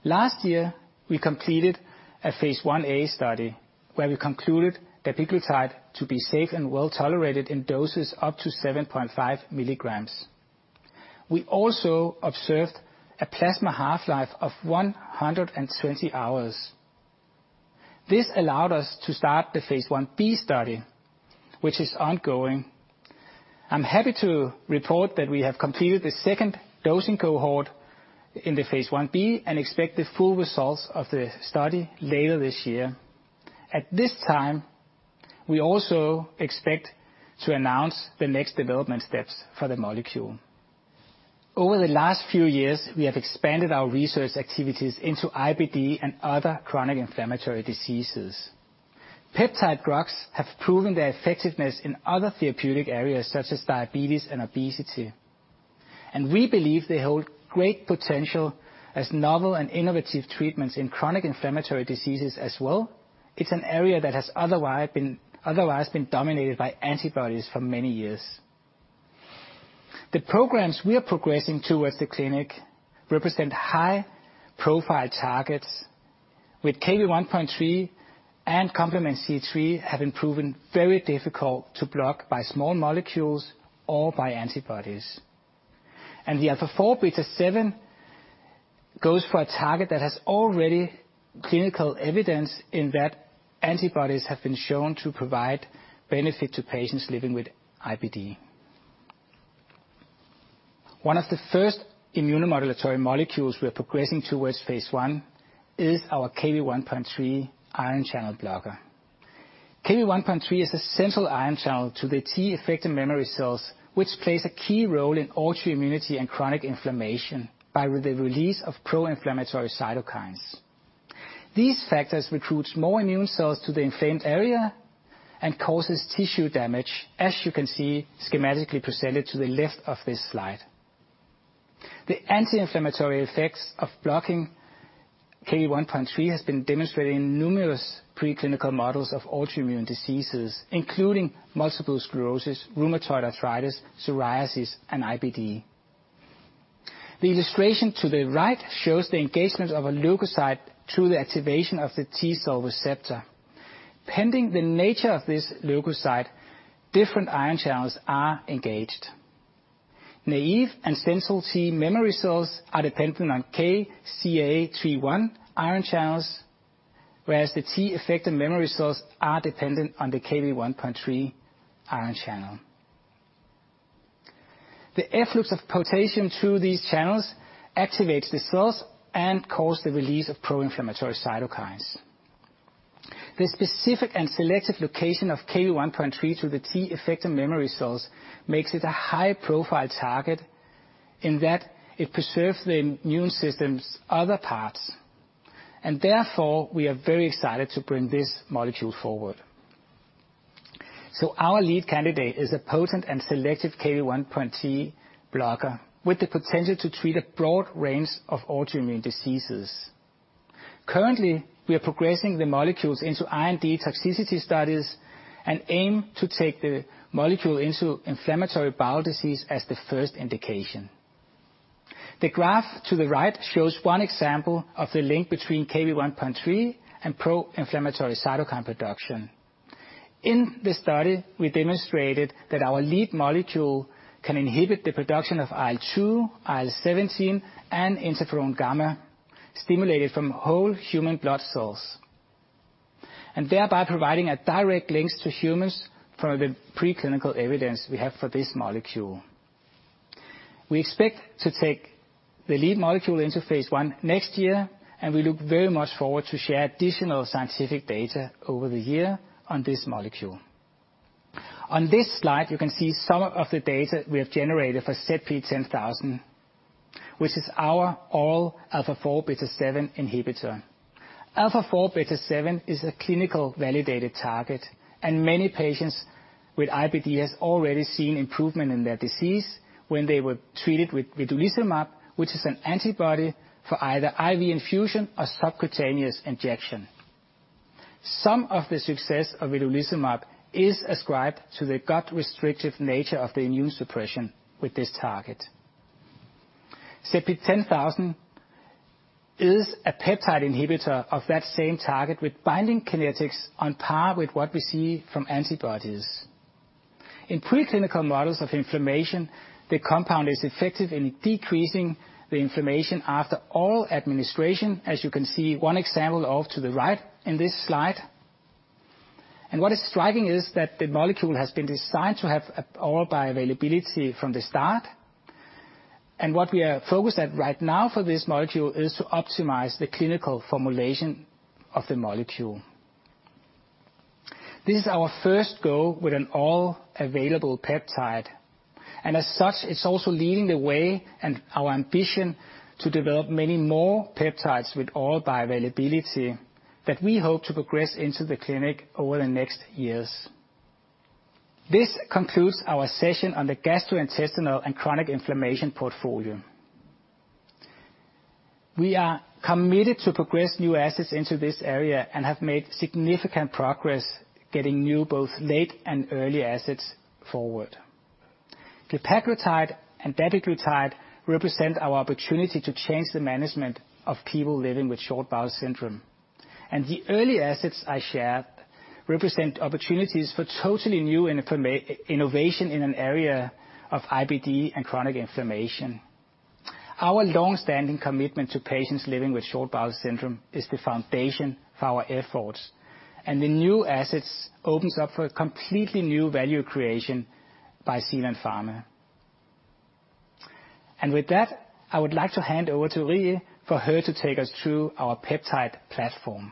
Last year, we completed a phase 1A study where we concluded dapiglutide to be safe and well tolerated in doses up to 7.5 milligrams. We also observed a plasma half-life of 120 hours. This allowed us to start the phase 1B study, which is ongoing. I'm happy to report that we have completed the second dosing cohort in the phase 1B and expect the full results of the study later this year. At this time, we also expect to announce the next development steps for the molecule. Over the last few years, we have expanded our research activities into IBD and other chronic inflammatory diseases. Peptide drugs have proven their effectiveness in other therapeutic areas such as diabetes and obesity, and we believe they hold great potential as novel and innovative treatments in chronic inflammatory diseases as well. It's an area that has otherwise been dominated by antibodies for many years. The programs we are progressing towards the clinic represent high-profile targets, with Kv1.3 and complement C3 having proven very difficult to block by small molecules or by antibodies. And the alpha-4 beta-7 goes for a target that has already clinical evidence in that antibodies have been shown to provide benefit to patients living with IBD. One of the first immunomodulatory molecules we are progressing towards phase 1 is our Kv1.3 ion channel blocker. Kv1.3 is a central ion channel to the T effector memory cells, which plays a key role in autoimmunity and chronic inflammation by the release of pro-inflammatory cytokines. These factors recruit more immune cells to the inflamed area and cause tissue damage, as you can see schematically presented to the left of this slide. The anti-inflammatory effects of blocking Kv1.3 have been demonstrated in numerous preclinical models of autoimmune diseases, including multiple sclerosis, rheumatoid arthritis, psoriasis, and IBD. The illustration to the right shows the engagement of a leukocyte through the activation of the T cell receptor. Depending on the nature of this leukocyte, different ion channels are engaged. Naive and central memory T cells are dependent on KCa3.1 ion channels, whereas the effector memory T cells are dependent on the Kv1.3 ion channel. The efflux of potassium through these channels activates the cells and causes the release of pro-inflammatory cytokines. The specific and selective location of Kv1.3 through the effector memory T-cells makes it a high-profile target in that it preserves the immune system's other parts, and therefore we are very excited to bring this molecule forward. So our lead candidate is a potent and selective Kv1.3 blocker with the potential to treat a broad range of autoimmune diseases. Currently, we are progressing the molecules into IND toxicity studies and aim to take the molecule into inflammatory bowel disease as the first indication. The graph to the right shows one example of the link between Kv1.3 and pro-inflammatory cytokine production. In the study, we demonstrated that our lead molecule can inhibit the production of IL-2, IL-17, and interferon gamma stimulated from whole human blood cells, and thereby providing a direct link to humans from the preclinical evidence we have for this molecule. We expect to take the lead molecule into phase 1 next year, and we look very much forward to share additional scientific data over the year on this molecule. On this slide, you can see some of the data we have generated for ZP10000, which is our oral alpha-4 beta-7 inhibitor. Alpha-4 beta-7 is a clinically validated target, and many patients with IBD have already seen improvement in their disease when they were treated with vedolizumab, which is an antibody for either IV infusion or subcutaneous injection. Some of the success of vedolizumab is ascribed to the gut-restrictive nature of the immune suppression with this target. ZP10000 is a peptide inhibitor of that same target with binding kinetics on par with what we see from antibodies. In preclinical models of inflammation, the compound is effective in decreasing the inflammation after oral administration, as you can see one example of to the right in this slide. And what is striking is that the molecule has been designed to have oral bioavailability from the start, and what we are focused at right now for this molecule is to optimize the clinical formulation of the molecule. This is our first go with an orally available peptide, and as such, it's also leading the way and our ambition to develop many more peptides with oral bioavailability that we hope to progress into the clinic over the next years. This concludes our session on the gastrointestinal and chronic inflammation portfolio. We are committed to progress new assets into this area and have made significant progress getting new both late and early assets forward. Glepaglutide and dapiglutide represent our opportunity to change the management of people living with short bowel syndrome, and the early assets I shared represent opportunities for totally new innovation in an area of IBD and chronic inflammation. Our long-standing commitment to patients living with short bowel syndrome is the foundation for our efforts, and the new assets open up for completely new value creation by Zealand Pharma, and with that, I would like to hand over to Rie for her to take us through our peptide platform.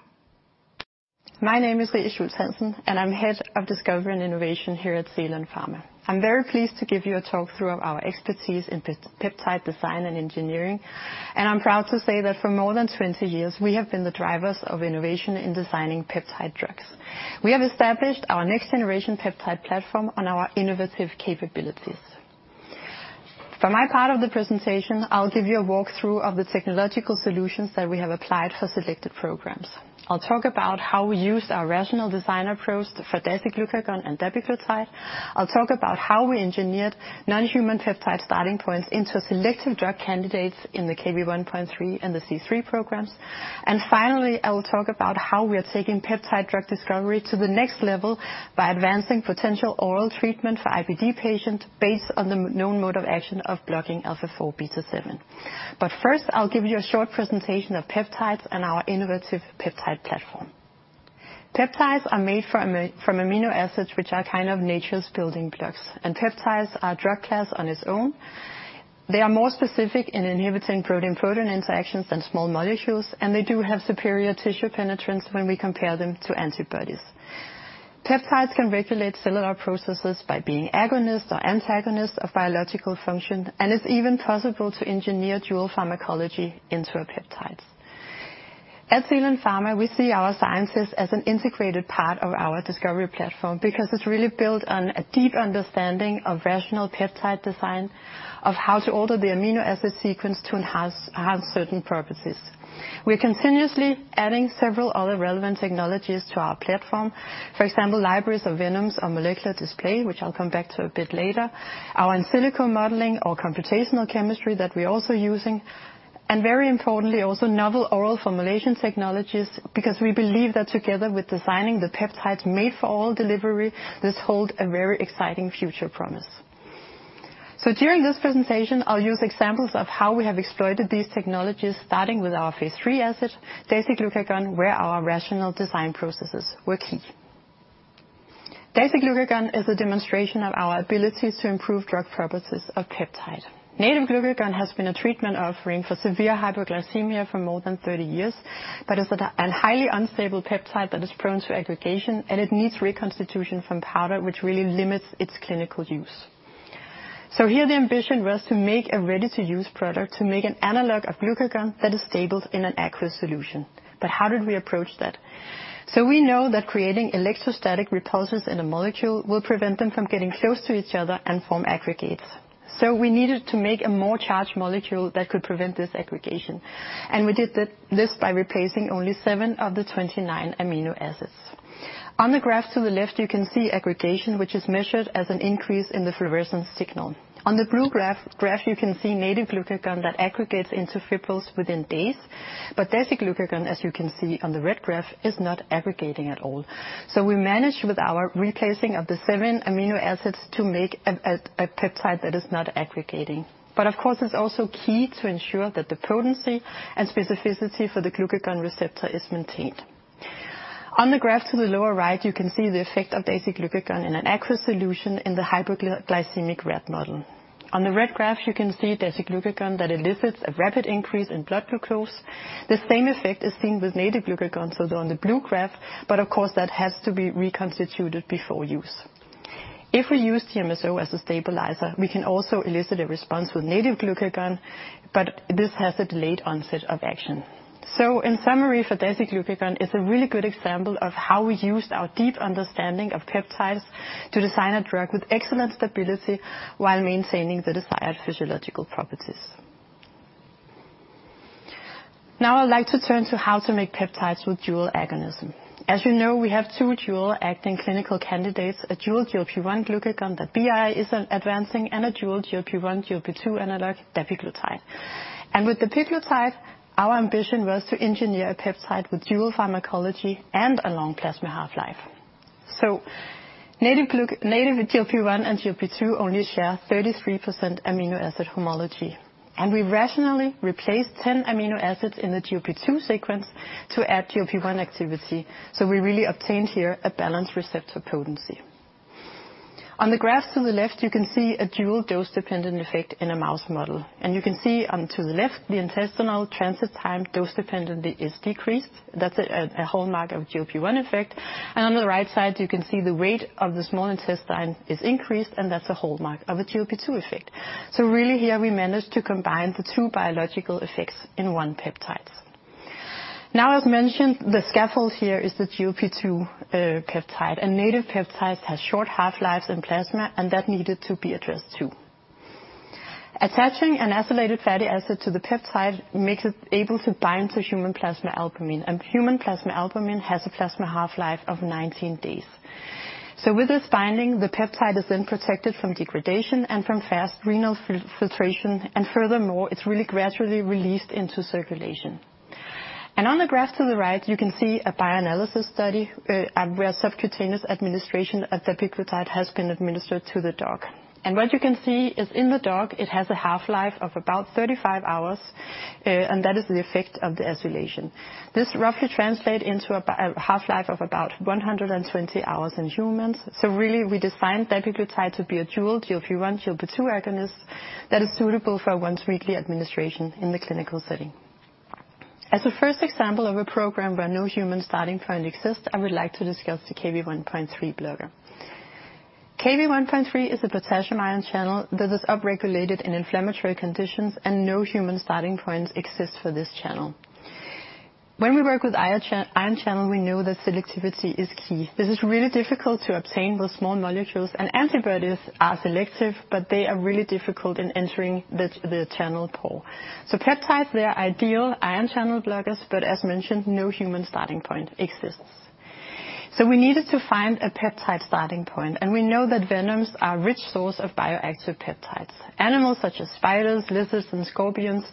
My name is Rie Schultz Hansen, and I'm head of discovery and innovation here at Zealand Pharma. I'm very pleased to give you a talk through our expertise in peptide design and engineering, and I'm proud to say that for more than 20 years, we have been the drivers of innovation in designing peptide drugs. We have established our next-generation peptide platform on our innovative capabilities. For my part of the presentation, I'll give you a walkthrough of the technological solutions that we have applied for selected programs. I'll talk about how we used our rational design approach to dasiglucagon and dapiglutide. I'll talk about how we engineered non-human peptide starting points into selective drug candidates in the Kv1.3 and the C3 programs. And finally, I will talk about how we are taking peptide drug discovery to the next level by advancing potential oral treatment for IBD patients based on the known mode of action of blocking alpha-4 beta-7. But first, I'll give you a short presentation of peptides and our innovative peptide platform. Peptides are made from amino acids, which are kind of nature's building blocks, and peptides are a drug class on its own. They are more specific in inhibiting protein-protein interactions than small molecules, and they do have superior tissue penetrance when we compare them to antibodies. Peptides can regulate cellular processes by being agonists or antagonists of biological function, and it's even possible to engineer dual pharmacology into peptides. At Zealand Pharma, we see our scientists as an integrated part of our discovery platform because it's really built on a deep understanding of rational peptide design, of how to order the amino acid sequence to enhance certain properties. We are continuously adding several other relevant technologies to our platform, for example, libraries of venoms or molecular display, which I'll come back to a bit later, our in silico modeling or computational chemistry that we are also using, and very importantly, also novel oral formulation technologies, because we believe that together with designing the peptides made for oral delivery, this holds a very exciting future promise. So during this presentation, I'll use examples of how we have exploited these technologies, starting with our phase three asset, dasiglucagon, where our rational design processes were key. Dasiglucagon is a demonstration of our ability to improve drug properties of peptide. Native glucagon has been a treatment offering for severe hyperglycemia for more than 30 years, but it's a highly unstable peptide that is prone to aggregation, and it needs reconstitution from powder, which really limits its clinical use. So here, the ambition was to make a ready-to-use product to make an analog of glucagon that is stable in an aqueous solution. But how did we approach that? So we know that creating electrostatic repulsors in a molecule will prevent them from getting close to each other and form aggregates. So we needed to make a more charged molecule that could prevent this aggregation, and we did this by replacing only seven of the 29 amino acids. On the graph to the left, you can see aggregation, which is measured as an increase in the fluorescence signal. On the blue graph, you can see native glucagon that aggregates into fibrils within days, but dasiglucagon, as you can see on the red graph, is not aggregating at all. So we managed with our replacing of the seven amino acids to make a peptide that is not aggregating. Of course, it's also key to ensure that the potency and specificity for the glucagon receptor is maintained. On the graph to the lower right, you can see the effect of dasiglucagon in an aqueous solution in the hyperglycemic rat model. On the red graph, you can see dasiglucagon that elicits a rapid increase in blood glucose. The same effect is seen with native glucagon, so on the blue graph, but of course, that has to be reconstituted before use. If we use DMSO as a stabilizer, we can also elicit a response with native glucagon, but this has a delayed onset of action. In summary, for dasiglucagon, it's a really good example of how we used our deep understanding of peptides to design a drug with excellent stability while maintaining the desired physiological properties. Now I'd like to turn to how to make peptides with dual agonism. As you know, we have two dual-acting clinical candidates: a dual GLP-1 glucagon that BI is advancing and a dual GLP-1, GLP-2 analog, dapiglutide, and with dapiglutide, our ambition was to engineer a peptide with dual pharmacology and a long plasma half-life, so native GLP-1 and GLP-2 only share 33% amino acid homology, and we rationally replaced 10 amino acids in the GLP-2 sequence to add GLP-1 activity, so we really obtained here a balanced receptor potency. On the graph to the left, you can see a dual dose-dependent effect in a mouse model, and you can see on the left, the intestinal transit time dose-dependently is decreased. That's a hallmark of GLP-1 effect. On the right side, you can see the weight of the small intestine is increased, and that's a hallmark of a GLP-2 effect. So really here, we managed to combine the two biological effects in one peptide. Now, as mentioned, the scaffold here is the GLP-2 peptide, and native peptides have short half-lives in plasma, and that needed to be addressed too. Attaching an acylated fatty acid to the peptide makes it able to bind to human plasma albumin, and human plasma albumin has a plasma half-life of 19 days. So with this binding, the peptide is then protected from degradation and from fast renal filtration, and furthermore, it's really gradually released into circulation. On the graph to the right, you can see a bioanalysis study where subcutaneous administration of dapiglutide has been administered to the dog. What you can see is in the dog, it has a half-life of about 35 hours, and that is the effect of the acylation. This roughly translates into a half-life of about 120 hours in humans. We really designed dapiglutide to be a dual GLP-1, GLP-2 agonist that is suitable for once-weekly administration in the clinical setting. As a first example of a program where no human starting point exists, I would like to discuss the Kv1.3 blocker. Kv1.3 is a potassium ion channel that is upregulated in inflammatory conditions, and no human starting points exist for this channel. When we work with ion channel, we know that selectivity is key. This is really difficult to obtain with small molecules, and antibodies are selective, but they are really difficult in entering the channel pore. Peptides, they are ideal ion channel blockers, but as mentioned, no human starting point exists. We needed to find a peptide starting point, and we know that venoms are a rich source of bioactive peptides. Animals such as spiders, lizards, and scorpions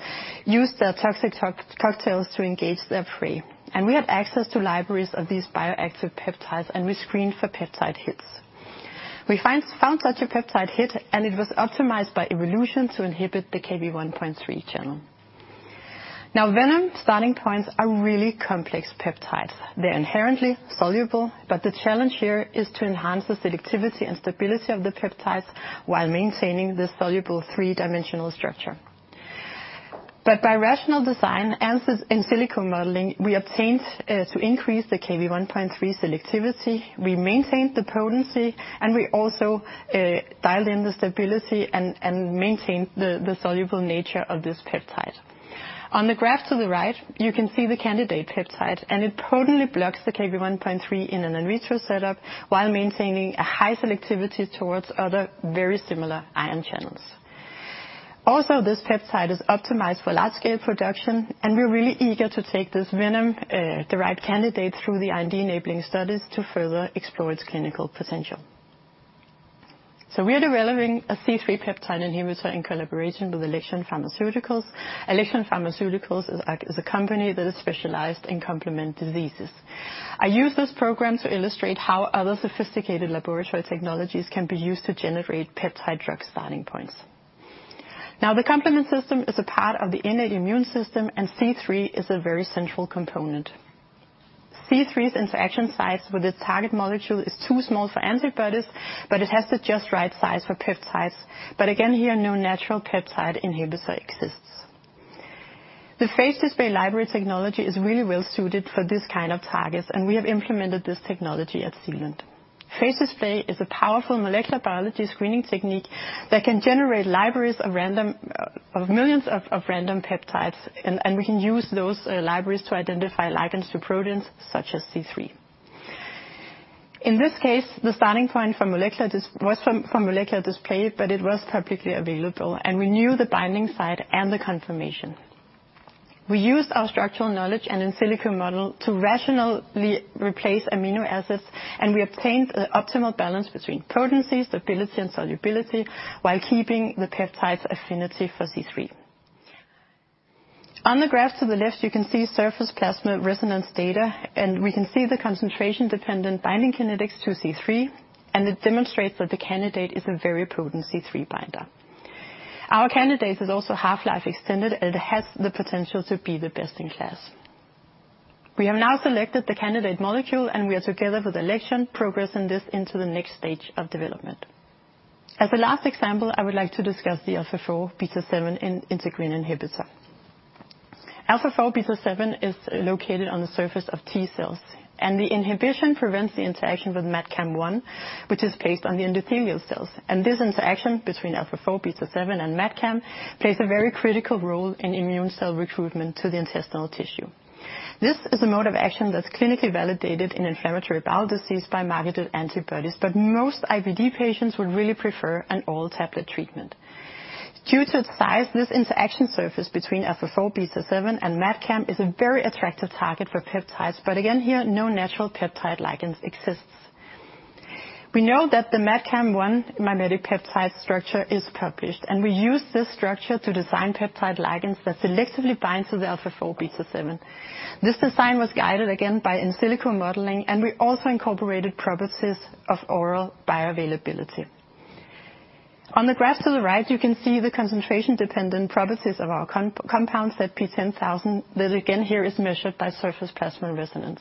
use their toxic cocktails to engage their prey, and we had access to libraries of these bioactive peptides, and we screened for peptide hits. We found such a peptide hit, and it was optimized by evolution to inhibit the Kv1.3 channel. Now, venom starting points are really complex peptides. They're inherently soluble, but the challenge here is to enhance the selectivity and stability of the peptides while maintaining this soluble three-dimensional structure. But by rational design and in silico modeling, we obtained to increase the Kv1.3 selectivity, we maintained the potency, and we also dialed in the stability and maintained the soluble nature of this peptide. On the graph to the right, you can see the candidate peptide, and it potently blocks the Kv1.3 in an in vitro setup while maintaining a high selectivity towards other very similar ion channels. Also, this peptide is optimized for large-scale production, and we're really eager to take this venom, the right candidate, through the IND enabling studies to further explore its clinical potential. So we are developing a C3 peptide inhibitor in collaboration with Alexion Pharmaceuticals. Alexion Pharmaceuticals is a company that is specialized in complement diseases. I use this program to illustrate how other sophisticated laboratory technologies can be used to generate peptide drug starting points. Now, the complement system is a part of the innate immune system, and C3 is a very central component. C3's interaction size with its target molecule is too small for antibodies, but it has the just right size for peptides. But again, here, no natural peptide inhibitor exists. The phage display library technology is really well-suited for this kind of target, and we have implemented this technology at Zealand. Phage display is a powerful molecular biology screening technique that can generate libraries of millions of random peptides, and we can use those libraries to identify ligands to proteins such as C3. In this case, the starting point for phage display, but it was publicly available, and we knew the binding site and the conformation. We used our structural knowledge and in silico model to rationally replace amino acids, and we obtained the optimal balance between potencies, stability, and solubility while keeping the peptide's affinity for C3. On the graph to the left, you can see surface plasmon resonance data, and we can see the concentration-dependent binding kinetics to C3, and it demonstrates that the candidate is a very potent C3 binder. Our candidate is also half-life extended, and it has the potential to be the best in class. We have now selected the candidate molecule, and we are together with Alexion progressing this into the next stage of development. As a last example, I would like to discuss the alpha-4 beta-7 integrin inhibitor. Alpha-4 beta-7 is located on the surface of T cells, and the inhibition prevents the interaction with MAdCAM-1, which is based on the endothelial cells, and this interaction between alpha-4 beta-7 and MAdCAM plays a very critical role in immune cell recruitment to the intestinal tissue. This is a mode of action that's clinically validated in inflammatory bowel disease by marketed antibodies, but most IBD patients would really prefer an oral tablet treatment. Due to its size, this interaction surface between alpha-4 beta-7 and MAdCAM-1 is a very attractive target for peptides, but again, here, no natural peptide ligands exist. We know that the MAdCAM-1 mimetic peptide structure is published, and we use this structure to design peptide ligands that selectively bind to the alpha-4 beta-7. This design was guided again by in silico modeling, and we also incorporated properties of oral bioavailability. On the graph to the right, you can see the concentration-dependent properties of our compound ZP10000 that again, here is measured by surface plasmon resonance.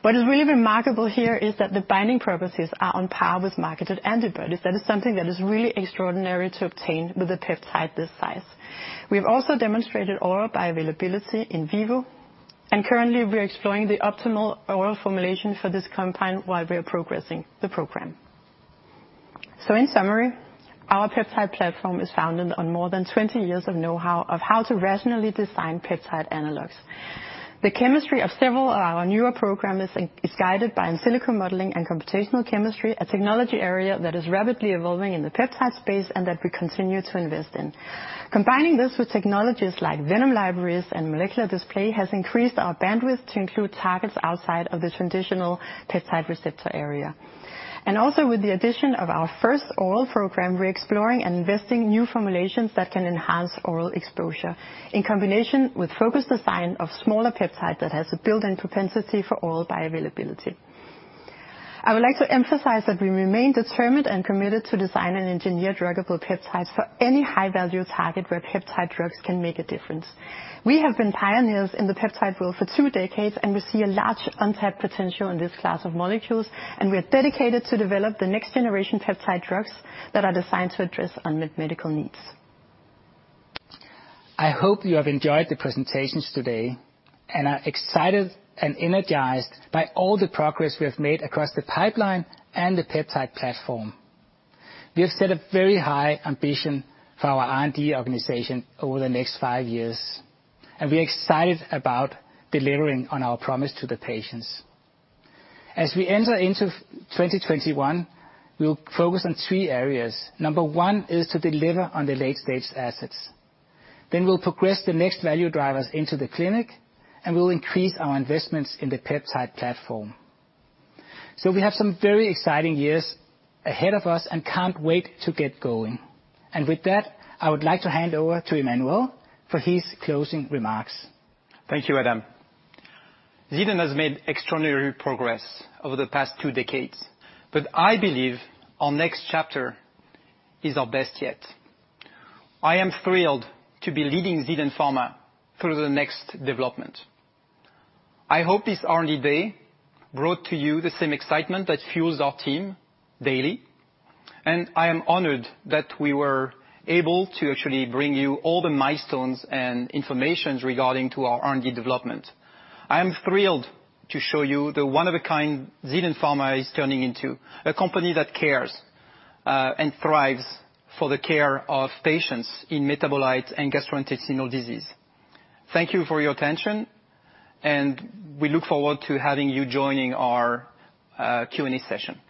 What is really remarkable here is that the binding properties are on par with marketed antibodies. That is something that is really extraordinary to obtain with a peptide this size. We have also demonstrated oral bioavailability in vivo, and currently, we are exploring the optimal oral formulation for this compound while we are progressing the program. So in summary, our peptide platform is founded on more than 20 years of know-how of how to rationally design peptide analogs. The chemistry of several of our newer programs is guided by in silico modeling and computational chemistry, a technology area that is rapidly evolving in the peptide space and that we continue to invest in. Combining this with technologies like venom libraries and molecular display has increased our bandwidth to include targets outside of the traditional peptide receptor area. Also, with the addition of our first oral program, we are exploring and investing in new formulations that can enhance oral exposure in combination with focused design of smaller peptides that have a built-in propensity for oral bioavailability. I would like to emphasize that we remain determined and committed to design and engineer druggable peptides for any high-value target where peptide drugs can make a difference. We have been pioneers in the peptide world for two decades, and we see a large untapped potential in this class of molecules, and we are dedicated to develop the next-generation peptide drugs that are designed to address unmet medical needs. I hope you have enjoyed the presentations today and are excited and energized by all the progress we have made across the pipeline and the peptide platform. We have set a very high ambition for our R&D organization over the next five years, and we are excited about delivering on our promise to the patients. As we enter into 2021, we will focus on three areas. Number one is to deliver on the late-stage assets. Then we'll progress the next value drivers into the clinic, and we'll increase our investments in the peptide platform. So we have some very exciting years ahead of us and can't wait to get going. And with that, I would like to hand over to Emmanuel for his closing remarks. Thank you, Adam. Zealand has made extraordinary progress over the past two decades, but I believe our next chapter is our best yet. I am thrilled to be leading Zealand Pharma through the next development. I hope this R&D day brought to you the same excitement that fuels our team daily, and I am honored that we were able to actually bring you all the milestones and information regarding our R&D development. I am thrilled to show you the one-of-a-kind Zealand Pharma is turning into: a company that cares and thrives for the care of patients in metabolic and gastrointestinal disease. Thank you for your attention, and we look forward to having you joining our Q&A session.